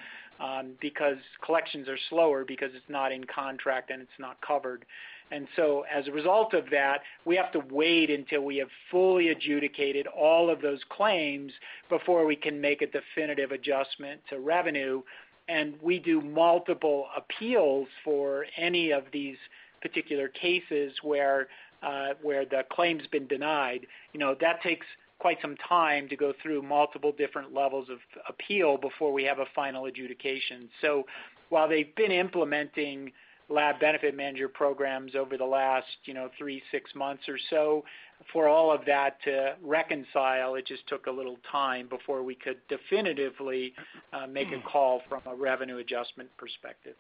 because collections are slower because it's not in contract and it's not covered. As a result of that, we have to wait until we have fully adjudicated all of those claims before we can make a definitive adjustment to revenue. We do multiple appeals for any of these particular cases where the claim's been denied. That takes quite some time to go through multiple different levels of appeal before we have a final adjudication. While they've been implementing lab benefit manager programs over the last three, six months or so, for all of that to reconcile, it just took a little time before we could definitively make a call from a revenue adjustment perspective.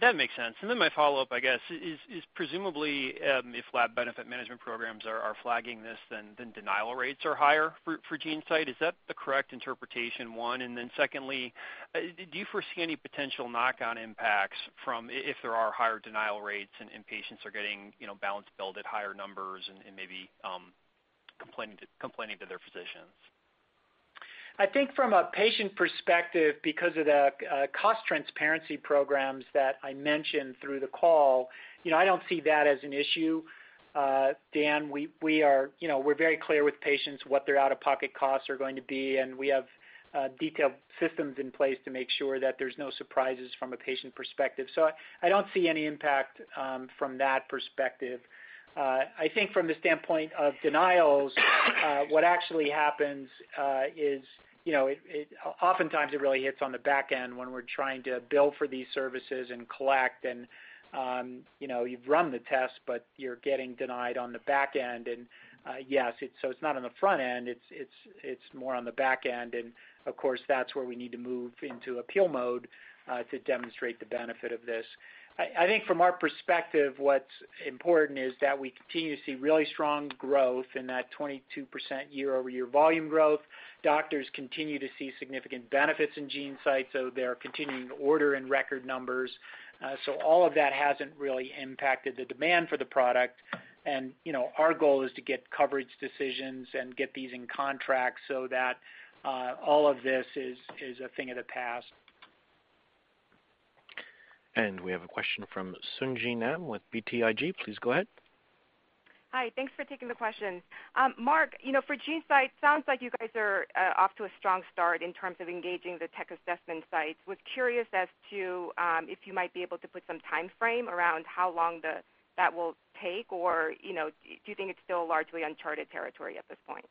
That makes sense. My follow-up, I guess, is presumably, if lab benefit management programs are flagging this, then denial rates are higher for GeneSight. Is that the correct interpretation, one? Secondly, do you foresee any potential knock-on impacts if there are higher denial rates and patients are getting balance billed at higher numbers and maybe complaining to their physicians? I think from a patient perspective, because of the cost transparency programs that I mentioned through the call, I don't see that as an issue, Dan. We're very clear with patients what their out-of-pocket costs are going to be, and we have detailed systems in place to make sure that there's no surprises from a patient perspective. I don't see any impact from that perspective. I think from the standpoint of denials, what actually happens is oftentimes it really hits on the back end when we're trying to bill for these services and collect and you've run the test, but you're getting denied on the back end. It's not on the front end, it's more on the back end, and of course, that's where we need to move into appeal mode to demonstrate the benefit of this. From our perspective, what's important is that we continue to see really strong growth in that 22% year-over-year volume growth. Doctors continue to see significant benefits in GeneSight, they're continuing to order in record numbers. All of that hasn't really impacted the demand for the product. Our goal is to get coverage decisions and get these in contract so that all of this is a thing of the past. We have a question from Sung Ji Nam with BTIG. Please go ahead. Hi. Thanks for taking the question. Mark, for GeneSight, sounds like you guys are off to a strong start in terms of engaging the tech assessment sites. Was curious as to if you might be able to put some timeframe around how long that will take, or do you think it's still largely uncharted territory at this point?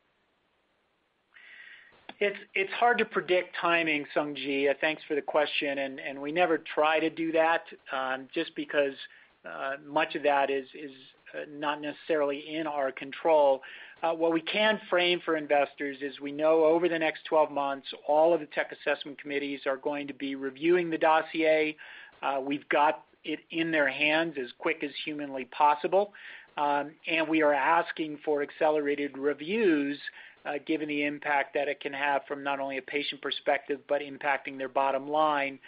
It's hard to predict timing, Sung Ji. Thanks for the question. We never try to do that, just because much of that is not necessarily in our control. What we can frame for investors is we know over the next 12 months, all of the tech assessment committees are going to be reviewing the dossier. We've got it in their hands as quick as humanly possible. We are asking for accelerated reviews, given the impact that it can have from not only a patient perspective, but impacting their bottom line.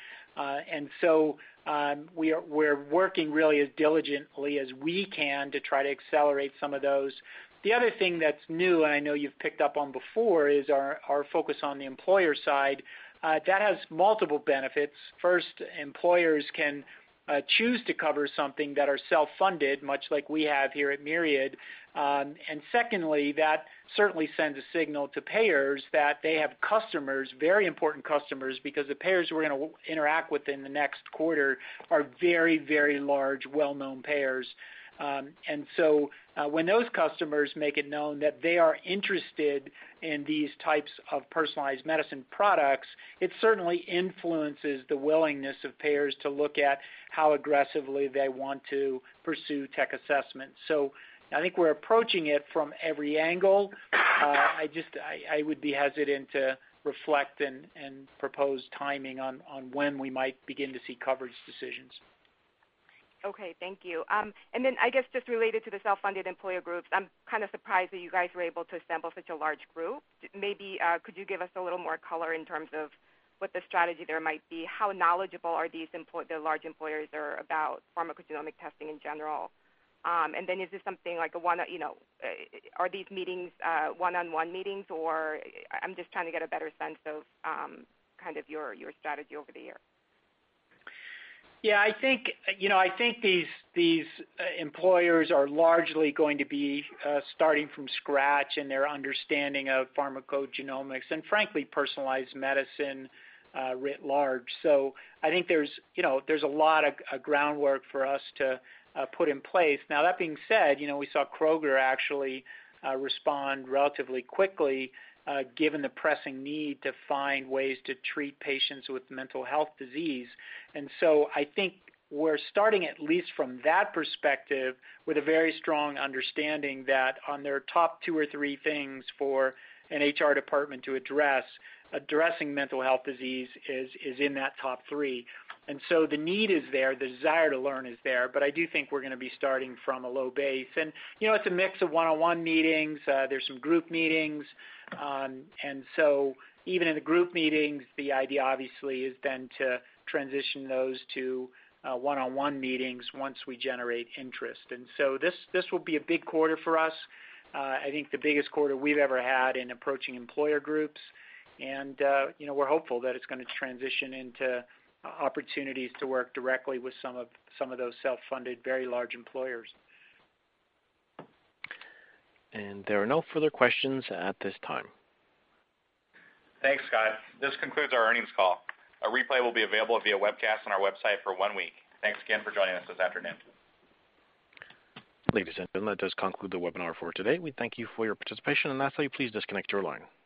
We're working really as diligently as we can to try to accelerate some of those. The other thing that's new, and I know you've picked up on before, is our focus on the employer side. That has multiple benefits. First, employers can choose to cover something that are self-funded, much like we have here at Myriad. Secondly, that certainly sends a signal to payers that they have customers, very important customers, because the payers we're going to interact with in the next quarter are very, very large, well-known payers. When those customers make it known that they are interested in these types of personalized medicine products, it certainly influences the willingness of payers to look at how aggressively they want to pursue tech assessment. I think we're approaching it from every angle. I would be hesitant to reflect and propose timing on when we might begin to see coverage decisions. Okay, thank you. Then I guess just related to the self-funded employer groups, I'm kind of surprised that you guys were able to assemble such a large group. Maybe could you give us a little more color in terms of what the strategy there might be? How knowledgeable are the large employers are about pharmacogenomic testing in general? Then is this something like, are these meetings one-on-one meetings or? I'm just trying to get a better sense of your strategy over the year. I think these employers are largely going to be starting from scratch in their understanding of pharmacogenomics and frankly, personalized medicine writ large. I think there's a lot of groundwork for us to put in place. That being said, we saw Kroger actually respond relatively quickly given the pressing need to find ways to treat patients with mental health disease. I think we're starting, at least from that perspective, with a very strong understanding that on their top two or three things for an HR department to address, addressing mental health disease is in that top three. The need is there, the desire to learn is there. I do think we're going to be starting from a low base. It's a mix of one-on-one meetings, there's some group meetings. Even in the group meetings, the idea obviously is then to transition those to one-on-one meetings once we generate interest. This will be a big quarter for us. I think the biggest quarter we've ever had in approaching employer groups. We're hopeful that it's going to transition into opportunities to work directly with some of those self-funded, very large employers. There are no further questions at this time. Thanks, Scott. This concludes our earnings call. A replay will be available via webcast on our website for one week. Thanks again for joining us this afternoon. Ladies and gentlemen, that does conclude the webinar for today. We thank you for your participation and lastly, please disconnect your line.